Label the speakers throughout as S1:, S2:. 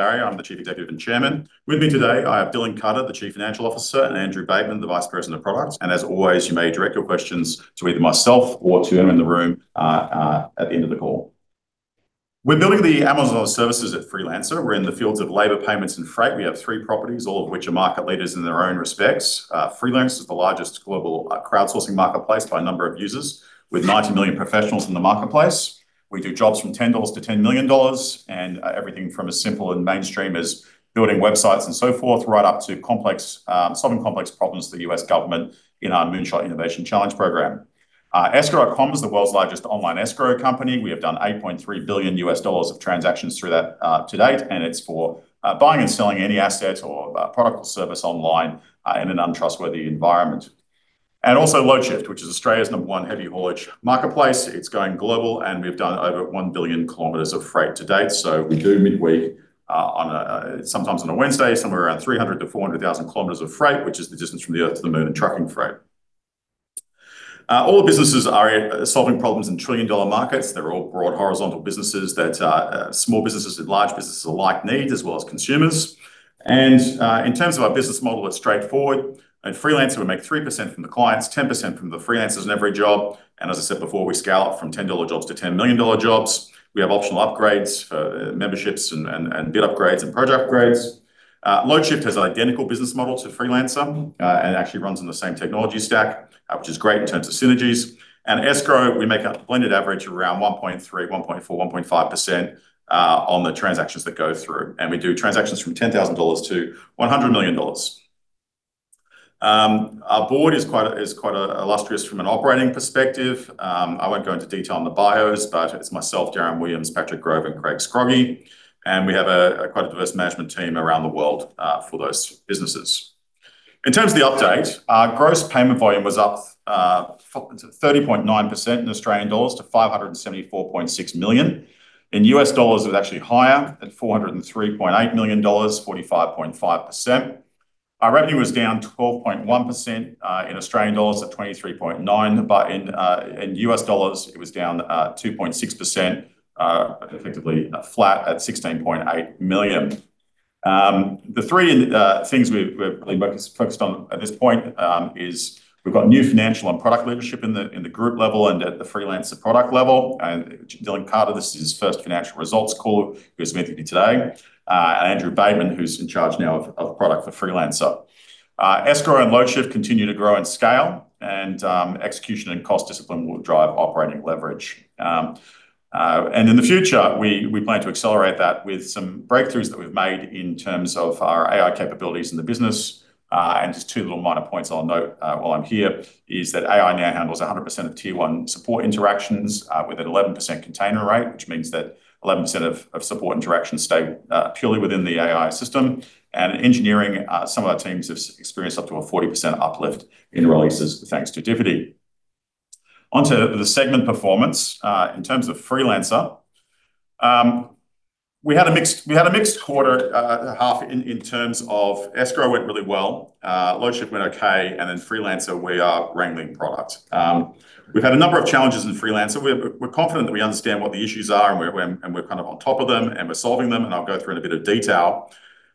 S1: I'm the chief executive and chairman. With me today I have Dylan Carter, the Chief Financial Officer, and Andrew Bateman, the Vice President of Products. As always, you may direct your questions to either myself or to anyone in the room at the end of the call. We're building the Amazon of services at Freelancer. We're in the fields of labor payments and freight. We have three properties, all of which are market leaders in their own respects. Freelancer is the largest global crowdsourcing marketplace by number of users, with 90 million professionals in the marketplace. We do jobs from 10 dollars to 10 million dollars, and everything from as simple and mainstream as building websites and so forth, right up to solving complex problems for the U.S. government in our Moonshot Innovation Challenge program. Escrow.com is the world's largest online escrow company. We have done $8.3 billion U.S. of transactions through that to date, and it's for buying and selling any asset or product or service online in an untrustworthy environment. Also Loadshift, which is Australia's number one heavy haulage marketplace. It's going global and we've done over 1 billion kilometers of freight to date. We do midweek, sometimes on a Wednesday, somewhere around 300,000-400,000 kilometers of freight, which is the distance from the Earth to the Moon in trucking freight. All businesses are solving problems in trillion-dollar markets. They're all broad horizontal businesses that small businesses and large businesses alike need, as well as consumers. In terms of our business model, it's straightforward. At Freelancer, we make 3% from the clients, 10% from the freelancers on every job, and as I said before, we scale up from 10 dollar jobs to 10 million dollar jobs. We have optional upgrades for memberships and bid upgrades and project upgrades. Loadshift has an identical business model to Freelancer, and it actually runs on the same technology stack, which is great in terms of synergies. Escrow, we make a blended average around 1.3%-1.5% on the transactions that go through. We do transactions from 10,000 dollars to 100 million dollars. Our board is quite illustrious from an operating perspective. I won't go into detail on the bios, but it's myself, Darren Williams, Patrick Grove and Craig Scroggie, and we have quite a diverse management team around the world for those businesses. In terms of the update, our gross payment volume was up 30.9% in AUD to 574.6 million Australian dollars. In U.S. dollars, it was actually higher at $403.8 million, 45.5%. Our revenue was down 12.1% in AUD at 23.9 million Australian dollars, but in U.S. dollars it was down 2.6%, effectively flat at $16.8 million. The 3 things we've really focused on at this point is we've got new financial and product leadership in the group level and at the Freelancer product level. Dylan Carter, this is his first financial results call. He'll be speaking to you today. Andrew Bateman, who's in charge now of product for Freelancer. Escrow and Loadshift continue to grow and scale and execution and cost discipline will drive operating leverage. In the future, we plan to accelerate that with some breakthroughs that we've made in terms of our AI capabilities in the business. Just two little minor points I'll note while I'm here is that AI now handles 100% of tier 1 support interactions with an 11% containment rate, which means that 11% of support interactions stay purely within the AI system. In engineering, some of our teams have experienced up to a 40% uplift in releases thanks to Divi. Onto the segment performance. In terms of Freelancer, we had a mixed quarter, half in terms of Escrow went really well, Loadshift went okay. Freelancer, we are wrangling product. We've had a number of challenges in Freelancer. We're confident that we understand what the issues are and we're kind of on top of them and we're solving them, and I'll go through in a bit of detail.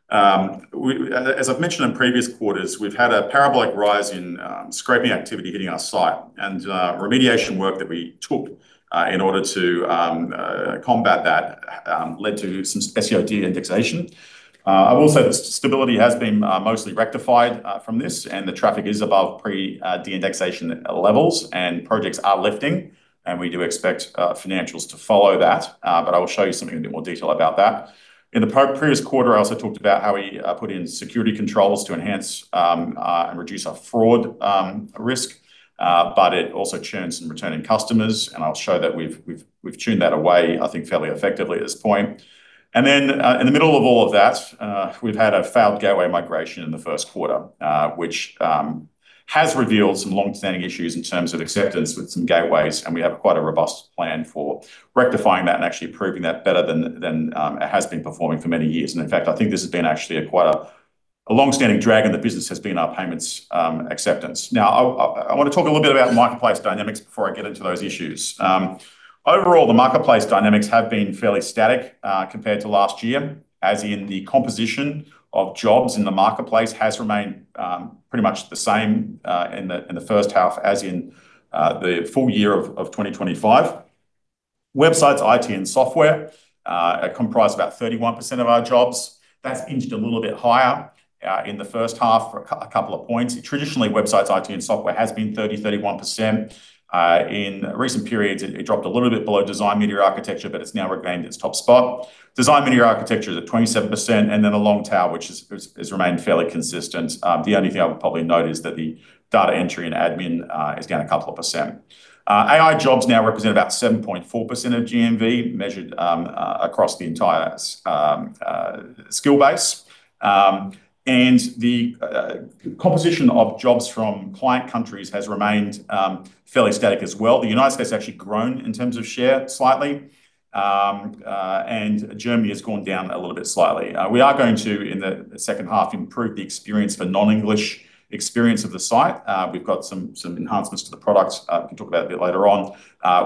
S1: As I've mentioned in previous quarters, we've had a parabolic rise in scraping activity hitting our site, and remediation work that we took in order to combat that led to some SEO deindexation. I will say the stability has been mostly rectified from this, and the traffic is above pre-deindexation levels and projects are lifting, and we do expect financials to follow that, but I will show you something in a bit more detail about that. In the previous quarter, I also talked about how we put in security controls to enhance and reduce our fraud risk, but it also churned some returning customers, and I'll show that we've tuned that away, I think, fairly effectively at this point. In the middle of all of that, we've had a failed gateway migration in the Q1, which has revealed some longstanding issues in terms of acceptance with some gateways, and we have quite a robust plan for rectifying that and actually improving that better than it has been performing for many years. In fact, I think this has been actually quite a longstanding drag on the business has been our payments acceptance. I want to talk a little bit about marketplace dynamics before I get into those issues. Overall, the marketplace dynamics have been fairly static, compared to last year, as in the composition of jobs in the marketplace has remained pretty much the same in the H1 as in the full year of 2025. Websites, IT and software comprise about 31% of our jobs. That's inched a little bit higher in the H1 for a couple of points. Traditionally, websites, IT and software has been 30, 31%. In recent periods, it dropped a little bit below design, media, architecture, but it's now regained its top spot. Design, media, architecture is at 27%. The long tail, which has remained fairly consistent. The only thing I would probably note is that the data entry and admin has gained a couple of percent. AI jobs now represent about 7.4% of GMV, measured across the entire skill base. The composition of jobs from client countries has remained fairly static as well. The United States has actually grown in terms of share slightly, and Germany has gone down a little bit slightly. We are going to, in the H2, improve the experience for non-English experience of the site. We have got some enhancements to the product, we can talk about a bit later on,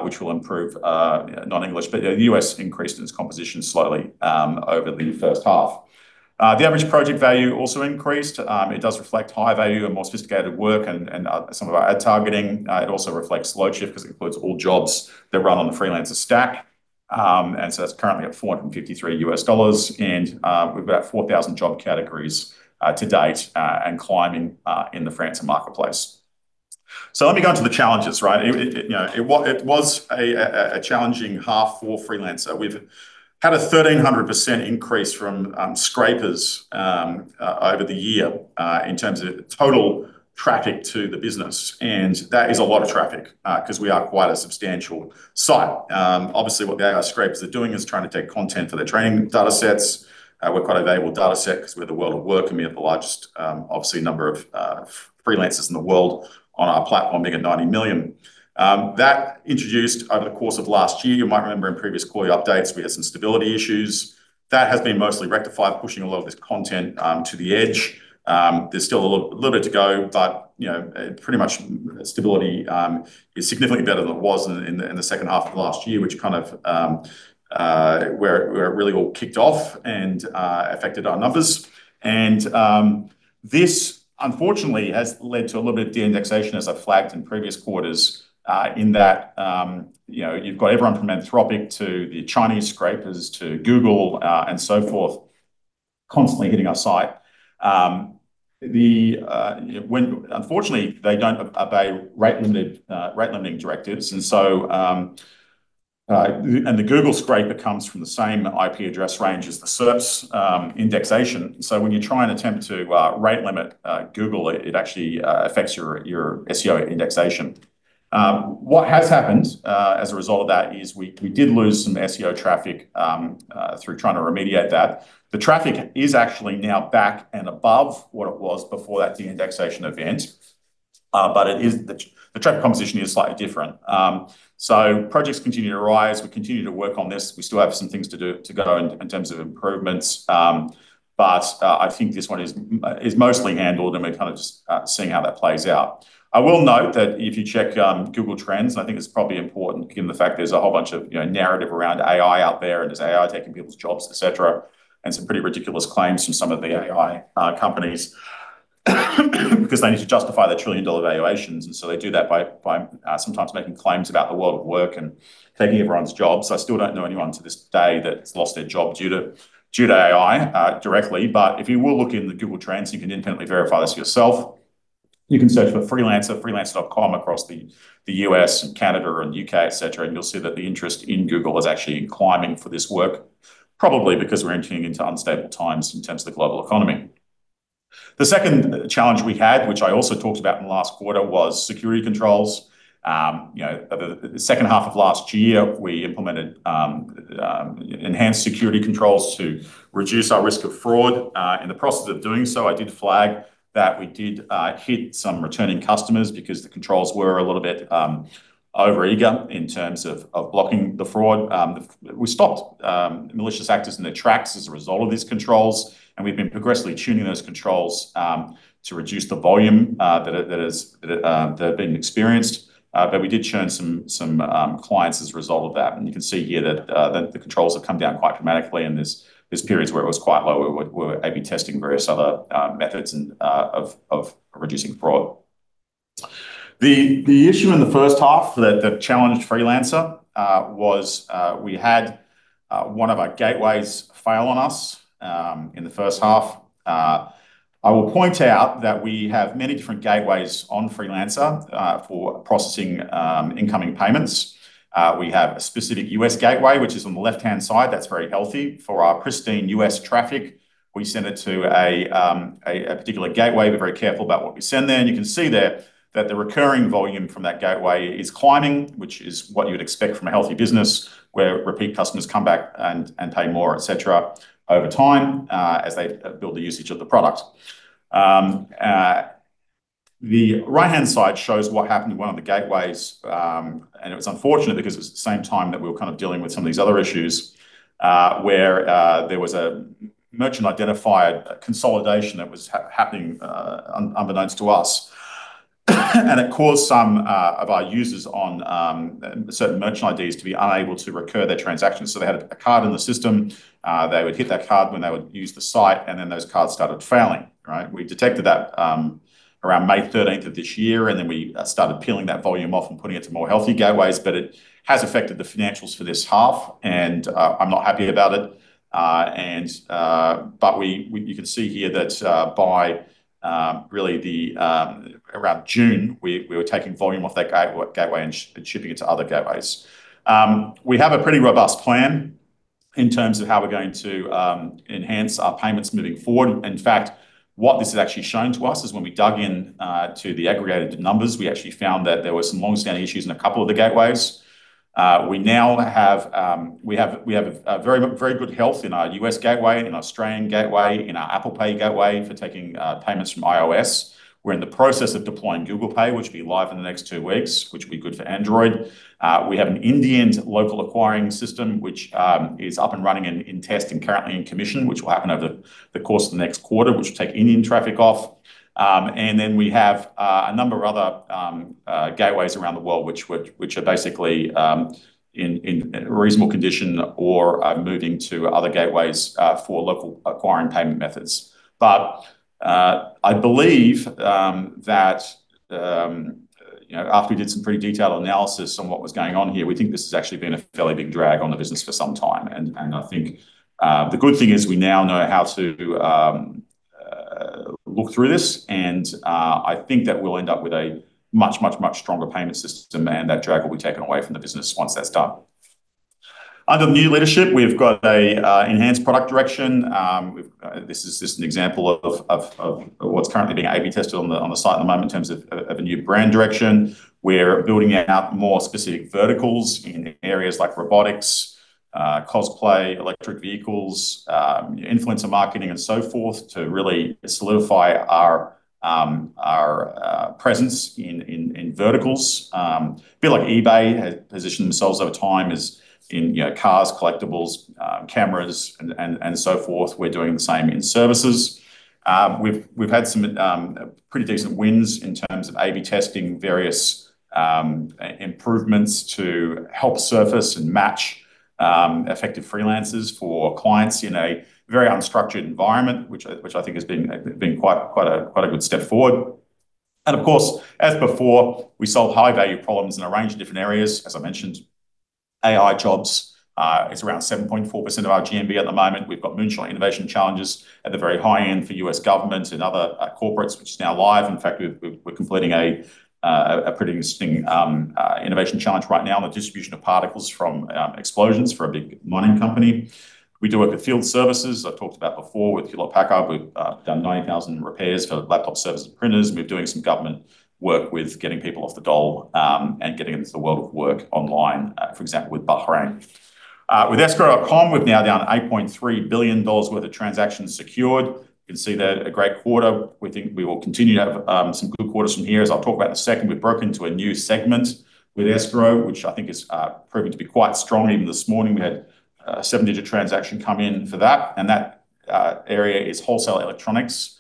S1: which will improve non-English. The U.S. increased in its composition slightly over the H1. The average project value also increased. It does reflect high value and more sophisticated work and some of our ad targeting. It also reflects Loadshift because it includes all jobs that run on the Freelancer stack. It is currently at $453. We have about 4,000 job categories to date and climbing in the Freelancer marketplace. Let me go onto the challenges. It was a challenging half for Freelancer. We have had a 1,300% increase from scrapers over the year in terms of total traffic to the business. That is a lot of traffic, because we are quite a substantial site. Obviously, what the AI scrapers are doing is trying to take content for their training datasets. We are quite a valuable dataset because we are the world of work and we have the largest, obviously, number of freelancers in the world on our platform, near 90 million. That introduced, over the course of last year, you might remember in previous quarterly updates, we had some stability issues. That has been mostly rectified, pushing a lot of this content to the edge. There is still a little bit to go, pretty much stability is significantly better than it was in the H2 of last year, which where it really all kicked off and affected our numbers. This unfortunately has led to a little bit of de-indexation, as I flagged in previous quarters, in that you have got everyone from Anthropic to the Chinese scrapers to Google and so forth, constantly hitting our site. Unfortunately, they do not obey rate limiting directives. The Google scraper comes from the same IP address range as the SERPs indexation. When you try and attempt to rate limit Google, it actually affects your SEO indexation. What has happened as a result of that is we did lose some SEO traffic through trying to remediate that. The traffic is actually now back and above what it was before that de-indexation event. The traffic composition is slightly different. Projects continue to rise. We continue to work on this. We still have some things to do to go in terms of improvements. I think this one is mostly handled, and we are just seeing how that plays out. I will note that if you check Google Trends, I think it is probably important given the fact there is a whole bunch of narrative around AI out there and is AI taking people's jobs, et cetera, and some pretty ridiculous claims from some of the AI companies, because they need to justify their trillion-dollar valuations. They do that by sometimes making claims about the world of work and taking everyone's jobs. I still do not know anyone to this day that has lost their job due to AI directly. If you will look in the Google Trends, you can independently verify this yourself. You can search for Freelancer, freelancer.com across the U.S. and Canada and U.K., et cetera, and you will see that the interest in Google is actually climbing for this work, probably because we are entering into unstable times in terms of the global economy. The second challenge we had, which I also talked about in the last quarter, was security controls. The H2 of last year, we implemented enhanced security controls to reduce our risk of fraud. In the process of doing so, I did flag that we did hit some returning customers because the controls were a little bit overeager in terms of blocking the fraud. We stopped malicious actors in their tracks as a result of these controls, and we've been progressively tuning those controls to reduce the volume that had been experienced. We did churn some clients as a result of that. You can see here that the controls have come down quite dramatically. There's periods where it was quite low. We're A/B testing various other methods of reducing fraud. The issue in the H1 that challenged Freelancer was we had one of our gateways fail on us in the H1. I will point out that we have many different gateways on Freelancer for processing incoming payments. We have a specific U.S. gateway, which is on the left-hand side, that's very healthy. For our pristine U.S. traffic, we send it to a particular gateway. We're very careful about what we send there. You can see there that the recurring volume from that gateway is climbing, which is what you would expect from a healthy business where repeat customers come back and pay more, et cetera, over time as they build the usage of the product. The right-hand side shows what happened to one of the gateways. It was unfortunate because it was the same time that we were dealing with some of these other issues, where there was a merchant identifier consolidation that was happening unbeknownst to us. It caused some of our users on certain merchant IDs to be unable to recur their transactions. They had a card in the system. They would hit that card when they would use the site, those cards started failing. We detected that around May 13th of this year, we started peeling that volume off and putting it to more healthy gateways. It has affected the financials for this half, I'm not happy about it. You can see here that by around June, we were taking volume off that gateway and shipping it to other gateways. We have a pretty robust plan in terms of how we're going to enhance our payments moving forward. In fact, what this has actually shown to us is when we dug in to the aggregated numbers, we actually found that there were some longstanding issues in a couple of the gateways. We have a very good health in our U.S. gateway, in our Australian gateway, in our Apple Pay gateway for taking payments from iOS. We're in the process of deploying Google Pay, which will be live in the next two weeks, which will be good for Android. We have an Indian local acquiring system, which is up and running in test and currently in commission, which will happen over the course of the next quarter, which will take Indian traffic off. We have a number of other gateways around the world which are basically in reasonable condition or are moving to other gateways for local acquiring payment methods. I believe that after we did some pretty detailed analysis on what was going on here, we think this has actually been a fairly big drag on the business for some time. I think the good thing is we now know how to look through this, and I think that we will end up with a much stronger payment system, and that drag will be taken away from the business once that's done. Under new leadership, we've got an enhanced product direction. This is just an example of what's currently being A/B tested on the site at the moment in terms of a new brand direction. We're building out more specific verticals in areas like robotics, cosplay, electric vehicles, influencer marketing, and so forth, to really solidify our presence in verticals. A bit like eBay has positioned themselves over time in cars, collectibles, cameras, and so forth. We're doing the same in services. We've had some pretty decent wins in terms of A/B testing various improvements to help surface and match effective Freelancers for clients in a very unstructured environment, which I think has been quite a good step forward. Of course, as before, we solve high-value problems in a range of different areas. As I mentioned, AI jobs, it's around 7.4% of our GMV at the moment. We've got Moonshot Innovation Challenges at the very high end for U.S. governments and other corporates, which is now live. In fact, we're completing a pretty interesting innovation challenge right now on the distribution of particles from explosions for a big mining company. We do work with field services. I've talked about before with Hewlett-Packard. We've done 90,000 repairs for laptop service and printers, and we're doing some government work with getting people off the dole, and getting into the world of work online, for example, with Bahrain. With escrow.com, we've now done $8.3 billion worth of transactions secured. You can see that, a great quarter. We think we will continue to have some good quarters from here. As I'll talk about in a second, we've broken into a new segment with Escrow, which I think is proving to be quite strong. Even this morning, we had a seven-digit transaction come in for that, and that area is wholesale electronics.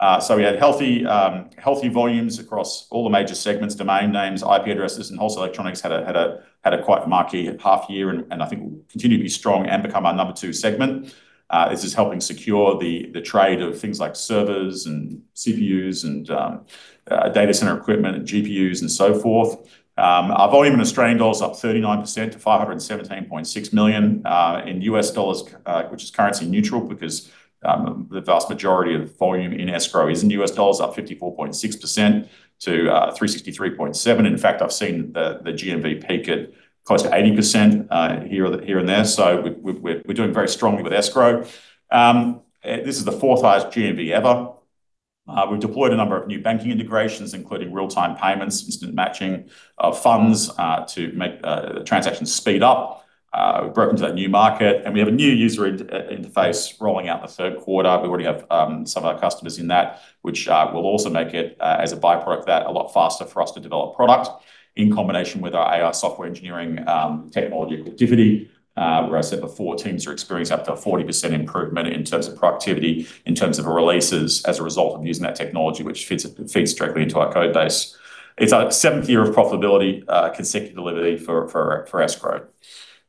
S1: We had healthy volumes across all the major segments, domain names, IP addresses, and wholesale electronics had a quite marquee half year and I think will continue to be strong and become our number two segment. This is helping secure the trade of things like servers and CPUs and data center equipment and GPUs and so forth. Our volume in Australian dollars up 39% to $517.6 million in U.S. dollars, which is currency neutral, because the vast majority of volume in Escrow is in US dollars, up 54.6% to $363.7 million. In fact, I've seen the GMV peak at close to 80% here and there. We're doing very strongly with Escrow. This is the fourth highest GMV ever. We've deployed a number of new banking integrations, including real-time payments, instant matching of funds, to make the transaction speed up. We've broken into that new market, we have a new user interface rolling out in the Q3. We already have some of our customers in that, which will also make it, as a byproduct of that, a lot faster for us to develop product. In combination with our AI software engineering, technology productivity, where I said before, teams are experiencing up to a 40% improvement in terms of productivity, in terms of releases as a result of using that technology, which feeds directly into our code base. It's our seventh year of profitability, consecutive delivery for Escrow.com.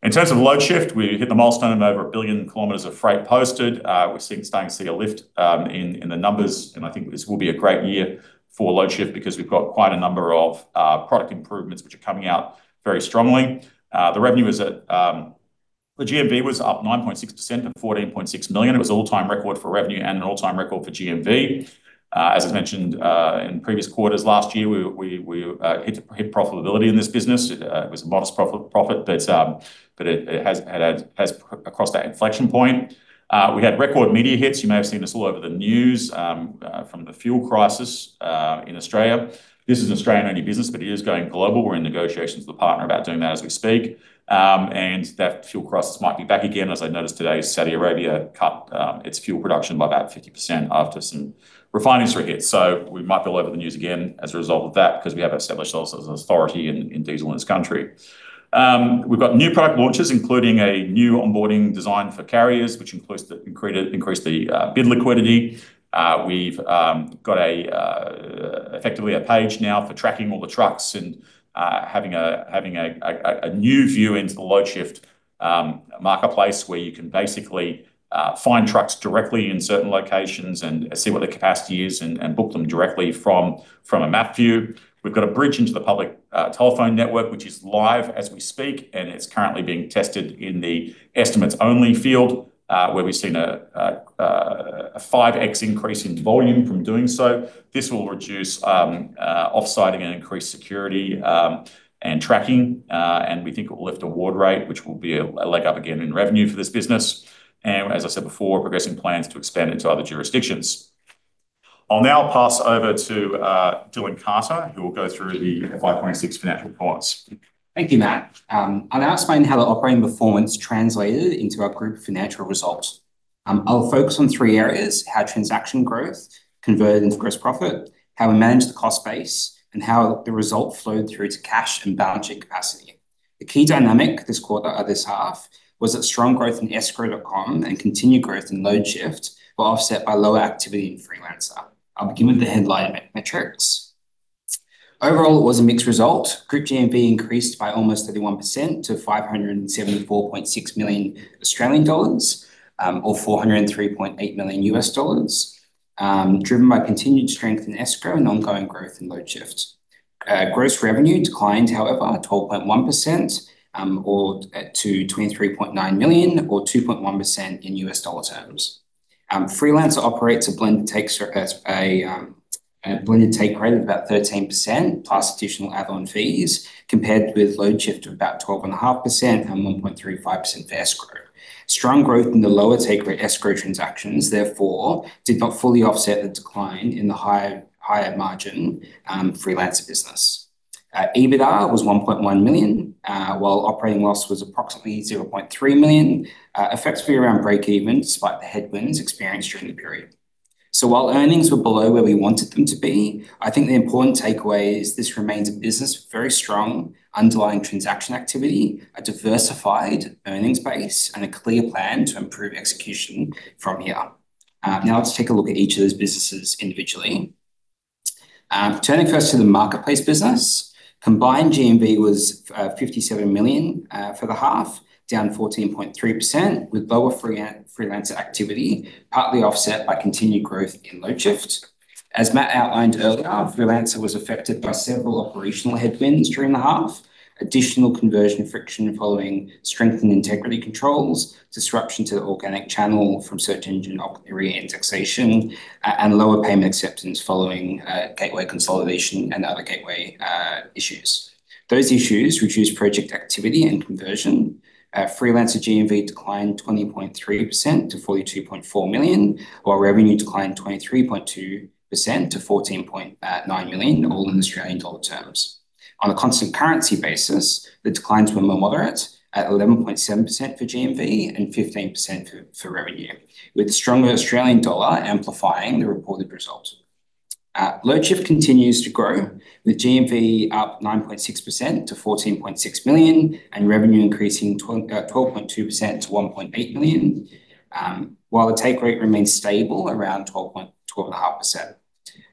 S1: In terms of Loadshift, we hit the milestone of over a billion kilometers of freight posted. We're starting to see a lift in the numbers, I think this will be a great year for Loadshift because we've got quite a number of product improvements which are coming out very strongly. The GMV was up 9.6% at 14.6 million. It was an all-time record for revenue and an all-time record for GMV. As I mentioned, in previous quarters last year, we hit profitability in this business. It was a modest profit, it has crossed that inflection point. We had record media hits. You may have seen us all over the news, from the fuel crisis in Australia. This is an Australian-only business, it is going global. We're in negotiations with a partner about doing that as we speak. That fuel crisis might be back again, as I noticed today, Saudi Arabia cut its fuel production by about 50% after some refineries were hit. We might be all over the news again as a result of that, because we have established ourselves as an authority in diesel in this country. We've got new product launches, including a new onboarding design for carriers, which increased the bid liquidity. We've got effectively a page now for tracking all the trucks and having a new view into the Loadshift marketplace where you can basically find trucks directly in certain locations and see what the capacity is and book them directly from a map view. We've got a bridge into the public telephone network, which is live as we speak, and it's currently being tested in the estimates-only field, where we've seen a 5X increase in volume from doing so. This will reduce off-siting and increase security, and tracking. We think it will lift award rate, which will be a leg up again in revenue for this business. As I said before, progressing plans to expand into other jurisdictions. I'll now pass over to Dylan Carter, who will go through the 526 financial reports.
S2: Thank you, Matt. I'll now explain how the operating performance translated into our group financial results. I'll focus on three areas: how transaction growth converted into gross profit, how we managed the cost base, and how the result flowed through to cash and balance sheet capacity. The key dynamic this half was that strong growth in Escrow.com and continued growth in Loadshift were offset by low activity in Freelancer. I'll begin with the headline metrics. Overall, it was a mixed result. Group GMV increased by almost 31% to 574.6 million Australian dollars, or $403.8 million. Driven by continued strength in Escrow and ongoing growth in Loadshift. Gross revenue declined, however, 12.1%, or to 23.9 million, or 2.1% in U.S. dollar terms. Freelancer operates a blended take rate of about 13% plus additional add-on fees, compared with Loadshift of about 12.5% and 1.35% for Escrow. Strong growth in the lower take rate Escrow transactions, therefore, did not fully offset the decline in the higher margin Freelancer business. EBITDA was 1.1 million, while operating loss was approximately 0.3 million, effectively year around breakeven despite the headwinds experienced during the period. While earnings were below where we wanted them to be, I think the important takeaway is this remains a business with very strong underlying transaction activity, a diversified earnings base and a clear plan to improve execution from here. Now let's take a look at each of those businesses individually. Turning first to the Marketplace business. Combined GMV was 57 million for the half, down 14.3%, with lower Freelancer activity, partly offset by continued growth in Loadshift. As Matt outlined earlier, Freelancer was affected by several operational headwinds during the half. Additional conversion friction following strength in integrity controls, disruption to the organic channel from search engine re-indexation, and lower payment acceptance following gateway consolidation and other gateway issues. Those issues reduced project activity and conversion. Freelancer GMV declined 20.3% to 42.4 million, while revenue declined 23.2% to 14.9 million, all in Australian dollar terms. On a constant currency basis, the declines were more moderate at 11.7% for GMV and 15% for revenue, with stronger Australian dollar amplifying the reported result. Loadshift continues to grow, with GMV up 9.6% to 14.6 million and revenue increasing 12.2% to 1.8 million. While the take rate remains stable around 12.5%.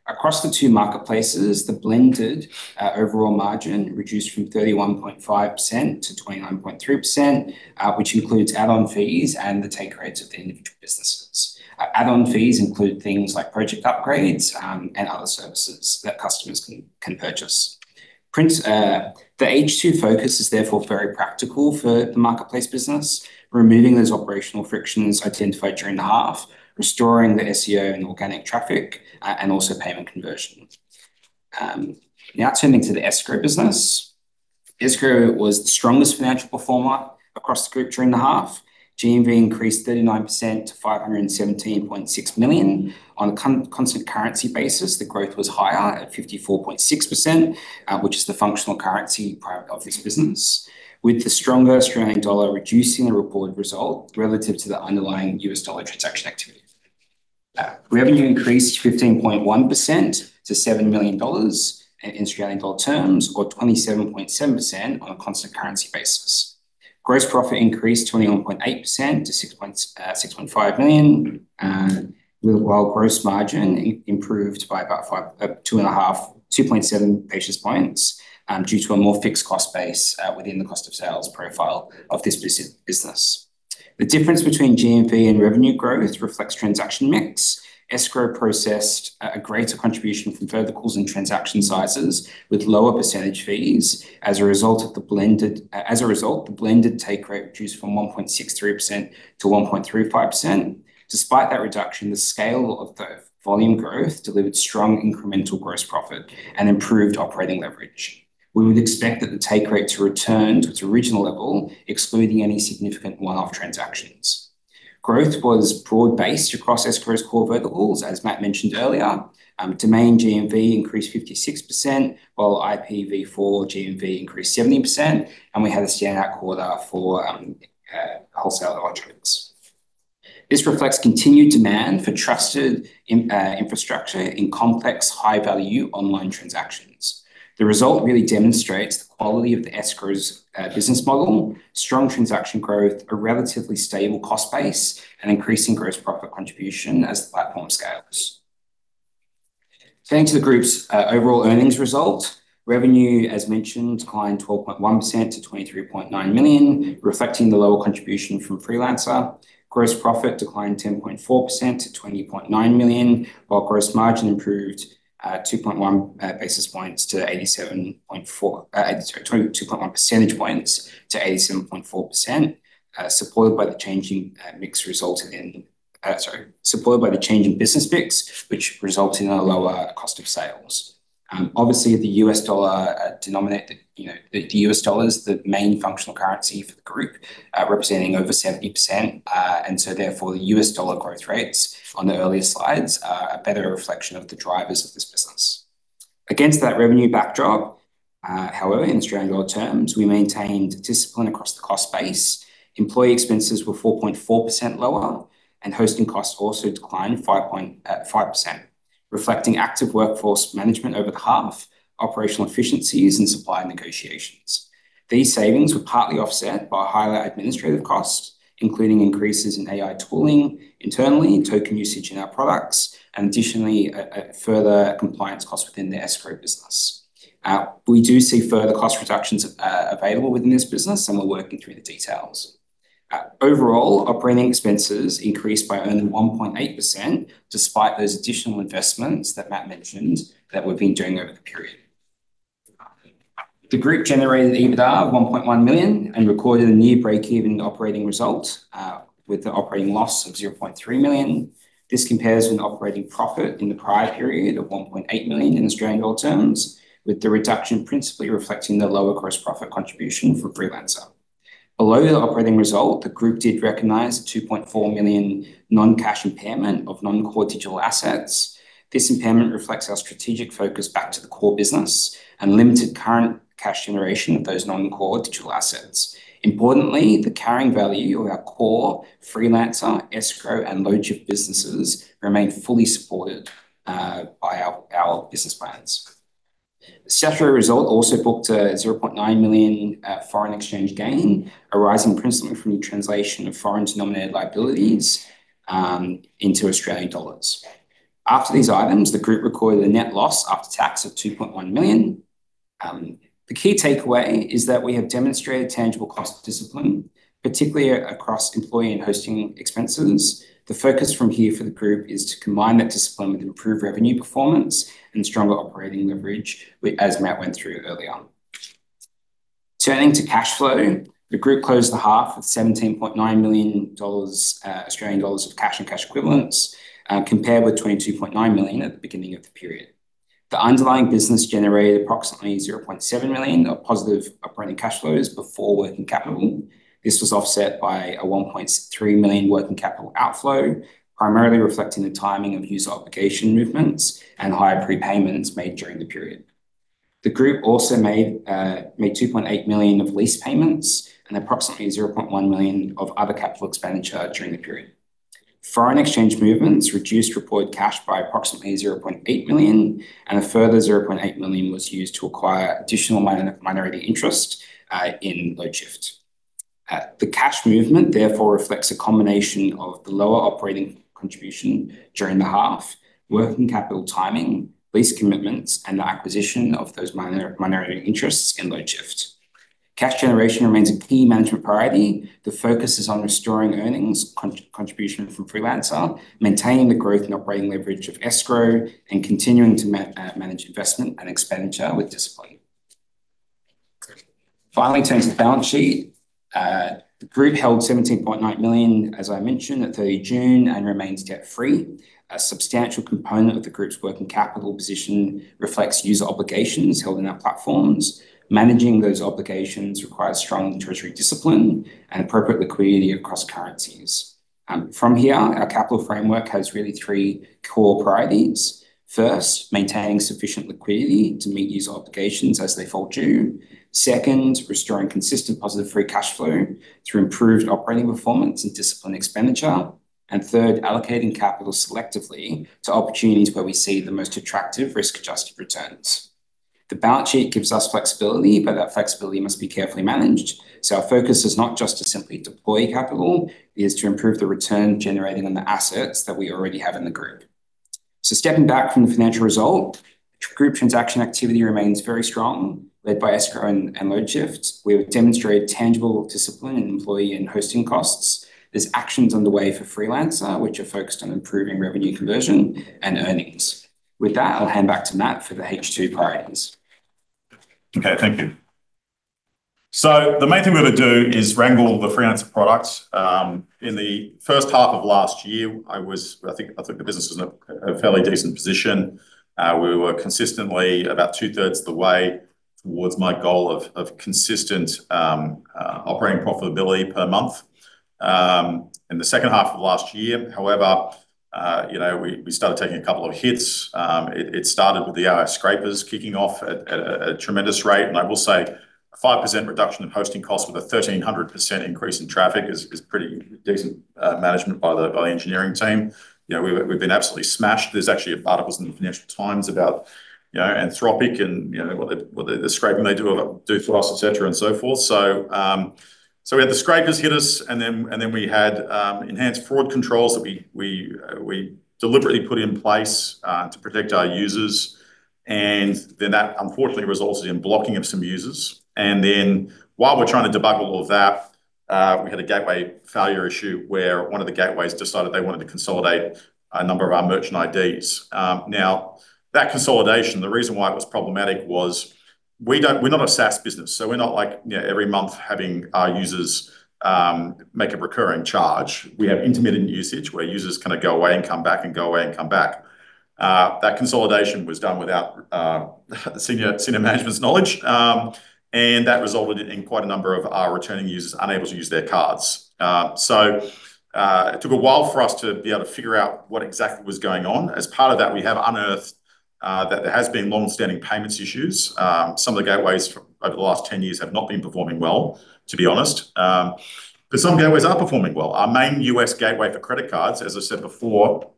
S2: Across the two marketplaces, the blended overall margin reduced from 31.5%-29.3%, which includes add-on fees and the take rates of the individual businesses. Add-on fees include things like project upgrades and other services that customers can purchase. The H2 focus is therefore very practical for the Marketplace business, removing those operational frictions identified during the half, restoring the SEO and organic traffic, and also payment conversion. Now turning to the Escrow business. Escrow was the strongest financial performer across the group during the half. GMV increased 39% to 517.6 million. On a constant currency basis, the growth was higher at 54.6%, which is the functional currency of this business, with the stronger Australian dollar reducing the reported result relative to the underlying U.S. dollar transaction activity. Revenue increased 15.1% to 7 million dollars in Australian dollar terms, or 27.7% on a constant currency basis. Gross profit increased 21.8% to 6.5 million, while gross margin improved by about 2.7 basis points due to a more fixed cost base within the cost of sales profile of this business. The difference between GMV and revenue growth reflects transaction mix. Escrow processed a greater contribution from verticals and transaction sizes with lower percentage fees. As a result, the blended take rate reduced from 1.63% to 1.35%. Despite that reduction, the scale of the volume growth delivered strong incremental gross profit and improved operating leverage. We would expect that the take rate to return to its original level, excluding any significant one-off transactions. Growth was broad based across Escrow's core verticals, as Matt mentioned earlier. Domain GMV increased 56%, while IPv4 GMV increased 17%, and we had a standout quarter for wholesale products. This reflects continued demand for trusted infrastructure in complex, high-value online transactions. The result really demonstrates the quality of the Escrow's business model, strong transaction growth, a relatively stable cost base, and increasing gross profit contribution as the platform scales. Turning to the group's overall earnings result. Revenue, as mentioned, declined 12.1% to 23.9 million, reflecting the lower contribution from Freelancer. Gross profit declined 10.4% to 20.9 million, while gross margin improved 2.1 percentage points to 87.4%, supported by the change in business mix which results in a lower cost of sales. Obviously, the US dollar is the main functional currency for the group, representing over 70%. The U.S. dollar growth rates on the earlier slides are a better reflection of the drivers of this business. Against that revenue backdrop, however, in Australian dollar terms, we maintained discipline across the cost base. Employee expenses were 4.4% lower, and hosting costs also declined 5%, reflecting active workforce management over half operational efficiencies and supplier negotiations. These savings were partly offset by higher administrative costs, including increases in AI tooling internally and token usage in our products, and additionally, further compliance costs within the Escrow business. We do see further cost reductions available within this business, and we're working through the details. Overall, operating expenses increased by only 1.8%, despite those additional investments that Matt mentioned that we've been doing over the period. The group generated EBITDA of 1.1 million and recorded a near break-even operating result, with an operating loss of 0.3 million. This compares with operating profit in the prior period of 1.8 million in Australian dollar terms, with the reduction principally reflecting the lower gross profit contribution for Freelancer. Below the operating result, the group did recognize a 2.4 million non-cash impairment of non-core digital assets. This impairment reflects our strategic focus back to the core business and limited current cash generation of those non-core digital assets. Importantly, the carrying value of our core Freelancer, Escrow, and Loadshift businesses remain fully supported by our business plans. The statutory result also booked a 0.9 million foreign exchange gain, arising principally from the translation of foreign-denominated liabilities into Australian dollars. After these items, the group recorded a net loss after tax of 2.1 million. The key takeaway is that we have demonstrated tangible cost discipline, particularly across employee and hosting expenses. The focus from here for the group is to combine that discipline with improved revenue performance and stronger operating leverage, as Matt went through early on. Turning to cash flow, the group closed the half with 17.9 million Australian dollars of cash and cash equivalents, compared with AUD 22.9 million at the beginning of the period. The underlying business generated approximately AUD 0.7 million of positive operating cash flows before working capital. This was offset by a AUD 1.3 million working capital outflow, primarily reflecting the timing of user obligation movements and higher prepayments made during the period. The group also made 2.8 million of lease payments and approximately 0.1 million of other capital expenditure during the period. Foreign exchange movements reduced reported cash by approximately 0.8 million, and a further 0.8 million was used to acquire additional minority interest in Loadshift. The cash movement therefore reflects a combination of the lower operating contribution during the half, working capital timing, lease commitments, and the acquisition of those minority interests in Loadshift. Cash generation remains a key management priority. The focus is on restoring earnings contribution from Freelancer, maintaining the growth and operating leverage of Escrow, and continuing to manage investment and expenditure with discipline. Finally, in terms of the balance sheet, the group held 17.9 million, as I mentioned, at 30 June and remains debt-free. A substantial component of the group's working capital position reflects user obligations held in our platforms. Managing those obligations requires strong treasury discipline and appropriate liquidity across currencies. From here, our capital framework has really three core priorities. First, maintaining sufficient liquidity to meet user obligations as they fall due. Second, restoring consistent positive free cash flow through improved operating performance and disciplined expenditure. Third, allocating capital selectively to opportunities where we see the most attractive risk-adjusted returns. The balance sheet gives us flexibility, but that flexibility must be carefully managed. Our focus is not just to simply deploy capital. It is to improve the return generating on the assets that we already have in the group. Stepping back from the financial result, group transaction activity remains very strong, led by Escrow and Loadshift. We have demonstrated tangible discipline in employee and hosting costs. There's actions underway for Freelancer, which are focused on improving revenue conversion and earnings. With that, I'll hand back to Matt for the H2 priorities.
S1: Okay, thank you. The main thing we've got to do is wrangle the Freelancer products. In the H1 of last year, I think the business was in a fairly decent position. We were consistently about two-thirds of the way towards my goal of consistent operating profitability per month. In the H2 of last year, however, we started taking a couple of hits. It started with the scrapers kicking off at a tremendous rate, and I will say 5% reduction in hosting costs with a 1,300% increase in traffic is pretty decent management by the engineering team. We've been absolutely smashed. There's actually articles in The Financial Times about Anthropic and what the scraping they do for us, et cetera, and so forth. We had the scrapers hit us, we had enhanced fraud controls that we deliberately put in place to protect our users, that unfortunately resulted in blocking of some users. While we're trying to debug all of that, we had a gateway failure issue where one of the gateways decided they wanted to consolidate a number of our merchant IDs. That consolidation, the reason why it was problematic was we're not a SaaS business, so we're not every month having our users make a recurring charge. We have intermittent usage where users kind of go away and come back and go away and come back. That consolidation was done without senior management's knowledge, and that resulted in quite a number of our returning users unable to use their cards. It took a while for us to be able to figure out what exactly was going on. As part of that, we have unearthed that there has been longstanding payments issues. Some of the gateways over the last 10 years have not been performing well, to be honest. Some gateways are performing well. Our main U.S. gateway for credit cards, as I said before,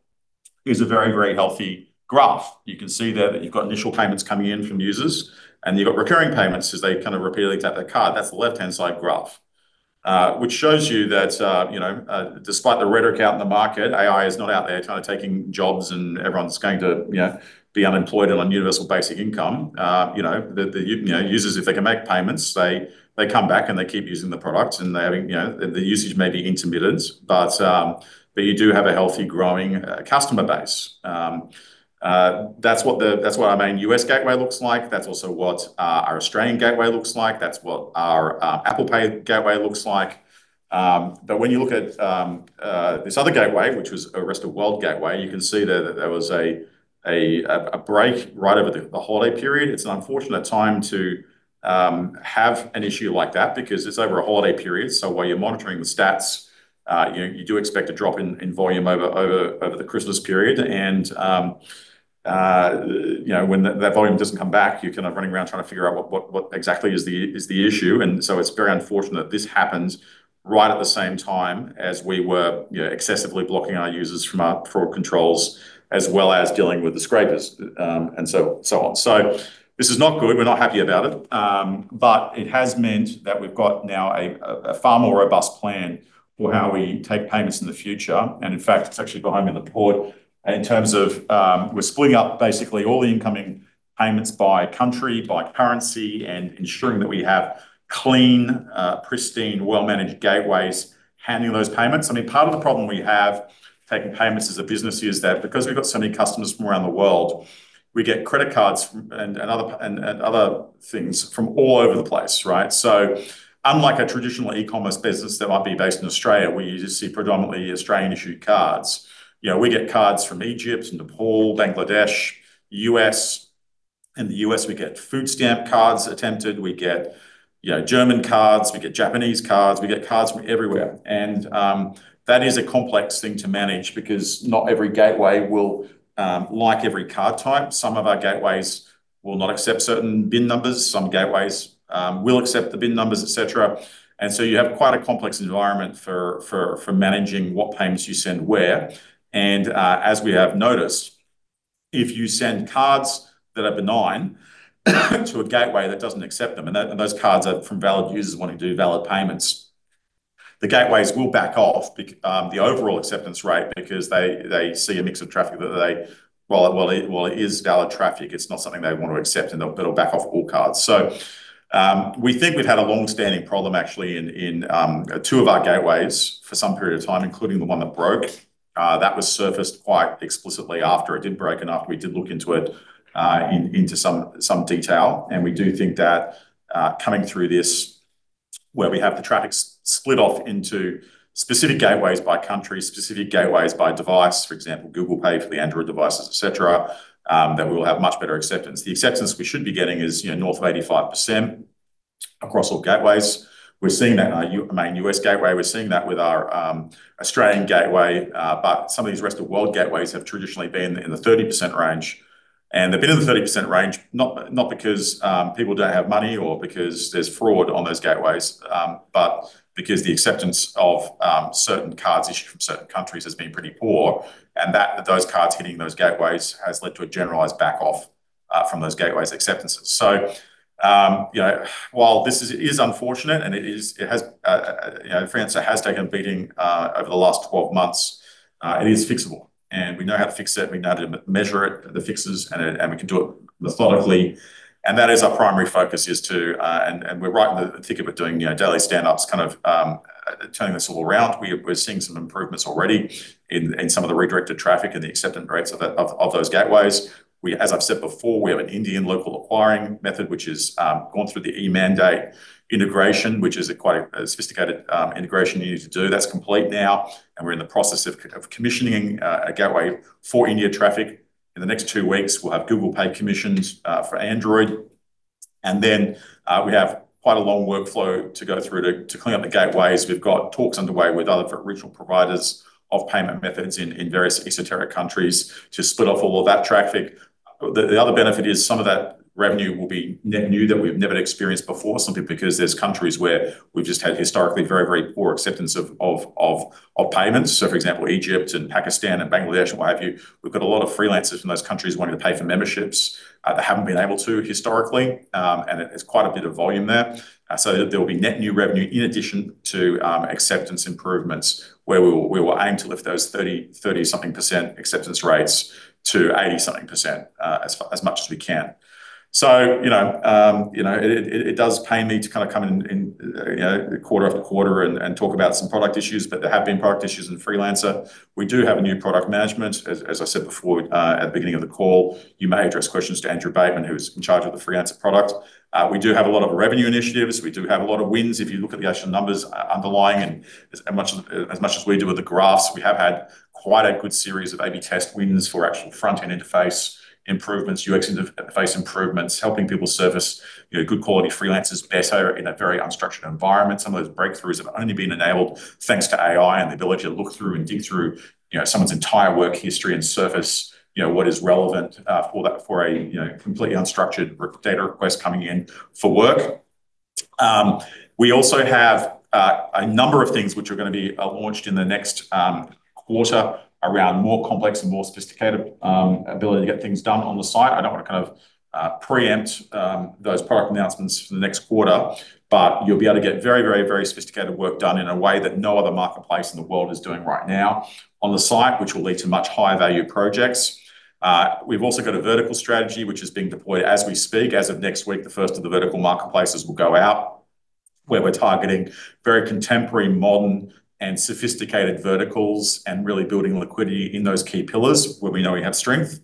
S1: is a very healthy graph. You can see there that you've got initial payments coming in from users, and you've got recurring payments as they kind of repeatedly tap their card. That's the left-hand side graph. Which shows you that despite the rhetoric out in the market, AI is not out there taking jobs and everyone's going to be unemployed and on universal basic income. The users, if they can make payments, they come back and they keep using the product. The usage may be intermittent, you do have a healthy growing customer base. That's what our main U.S. gateway looks like. That's also what our Australian gateway looks like. That's what our Apple Pay gateway looks like. When you look at this other gateway, which was a rest of world gateway, you can see that there was a break right over the holiday period. It's an unfortunate time to have an issue like that because it's over a holiday period. While you're monitoring the stats, you do expect a drop in volume over the Christmas period. When that volume doesn't come back, you're running around trying to figure out what exactly is the issue. It's very unfortunate this happened right at the same time as we were excessively blocking our users from our fraud controls as well as dealing with the scrapers, and so on. This is not good. We're not happy about it. It has meant that we've got now a far more robust plan for how we take payments in the future. In fact, it's actually behind me in the port in terms of, we're splitting up basically all the incoming payments by country, by currency, and ensuring that we have clean, pristine, well-managed gateways handling those payments. Part of the problem we have taking payments as a business is that because we've got so many customers from around the world, we get credit cards and other things from all over the place, right? Unlike a traditional e-commerce business that might be based in Australia where you just see predominantly Australian-issued cards, we get cards from Egypt, from Nepal, Bangladesh, U.S. In the U.S., we get food stamp cards attempted. We get German cards. We get Japanese cards. We get cards from everywhere. That is a complex thing to manage because not every gateway will like every card type. Some of our gateways will not accept certain BIN numbers. Some gateways will accept the BIN numbers, et cetera. You have quite a complex environment for managing what payments you send where. As we have noticed, if you send cards that are benign to a gateway that doesn't accept them, and those cards are from valid users wanting to do valid payments, the gateways will back off the overall acceptance rate because they see a mix of traffic that while it is valid traffic, it's not something they want to accept, and they'll back off all cards. We think we've had a longstanding problem actually in two of our gateways for some period of time, including the one that broke. That was surfaced quite explicitly after it did break and after we did look into it into some detail. We do think that coming through this, where we have the traffic split off into specific gateways by country, specific gateways by device, for example, Google Pay for the Android devices, et cetera, that we will have much better acceptance. The acceptance we should be getting is north of 85% across all gateways. We're seeing that in our main U.S. gateway. We're seeing that with our Australian gateway. Some of these rest of world gateways have traditionally been in the 30% range. They've been in the 30% range not because people don't have money or because there's fraud on those gateways, but because the acceptance of certain cards issued from certain countries has been pretty poor, and those cards hitting those gateways has led to a generalized back off from those gateways' acceptances. While this is unfortunate and Freelancer has taken a beating over the last 12 months, it is fixable and we know how to fix it. We know how to measure it, the fixes, and we can do it methodically. That is our primary focus. We're right in the thick of it doing daily stand-ups, turning this all around. We're seeing some improvements already in some of the redirected traffic and the acceptance rates of those gateways. As I've said before, we have an Indian local acquiring method which has gone through the e-mandate integration, which is quite a sophisticated integration you need to do. That's complete now, and we're in the process of commissioning a gateway for India traffic. In the next two weeks, we'll have Google Pay commissioned for Android. Then we have quite a long workflow to go through to clean up the gateways. We've got talks underway with other regional providers of payment methods in various esoteric countries to split off all of that traffic. The other benefit is some of that revenue will be net new that we've never experienced before simply because there's countries where we've just had historically very poor acceptance of payments. For example, Egypt and Pakistan and Bangladesh and what have you. We've got a lot of freelancers from those countries wanting to pay for memberships that haven't been able to historically. It's quite a bit of volume there. So there will be net new revenue in addition to acceptance improvements where we will aim to lift those 30-something% acceptance rates to 80-something% as much as we can. It does pain me to come in quarter after quarter and talk about some product issues, but there have been product issues in Freelancer. We do have a new product management. As I said before at the beginning of the call, you may address questions to Andrew Bateman, who is in charge of the Freelancer product. We do have a lot of revenue initiatives. We do have a lot of wins. If you look at the actual numbers underlying and as much as we do with the graphs, we have had quite a good series of A/B test wins for actual front-end interface improvements, UX interface improvements, helping people service good quality freelancers better in a very unstructured environment. Some of those breakthroughs have only been enabled thanks to AI and the ability to look through and dig through someone's entire work history and surface what is relevant for a completely unstructured data request coming in for work. We also have a number of things which are going to be launched in the next quarter around more complex and more sophisticated ability to get things done on the site. I don't want to pre-empt those product announcements for the next quarter, you'll be able to get very sophisticated work done in a way that no other marketplace in the world is doing right now on the site, which will lead to much higher value projects. We've also got a vertical strategy which is being deployed as we speak. As of next week, the first of the vertical marketplaces will go out, where we're targeting very contemporary, modern, and sophisticated verticals and really building liquidity in those key pillars where we know we have strength.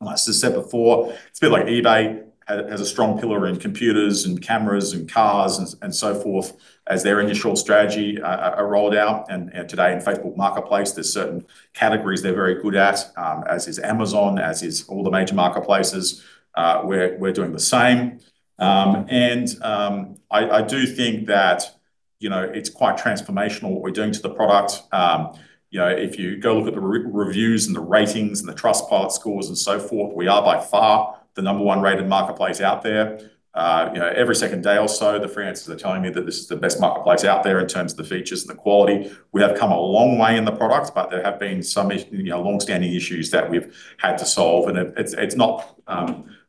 S1: As I said before, it's a bit like eBay has a strong pillar in computers and cameras and cars and so forth as their initial strategy are rolled out. Today in Facebook Marketplace, there's certain categories they're very good at, as is Amazon, as is all the major marketplaces. We're doing the same. I do think that it's quite transformational what we're doing to the product. If you go look at the reviews and the ratings and the Trustpilot scores and so forth, we are by far the number one rated marketplace out there. Every second day or so, the freelancers are telling me that this is the best marketplace out there in terms of the features and the quality. We have come a long way in the product, but there have been some long-standing issues that we've had to solve, and it's not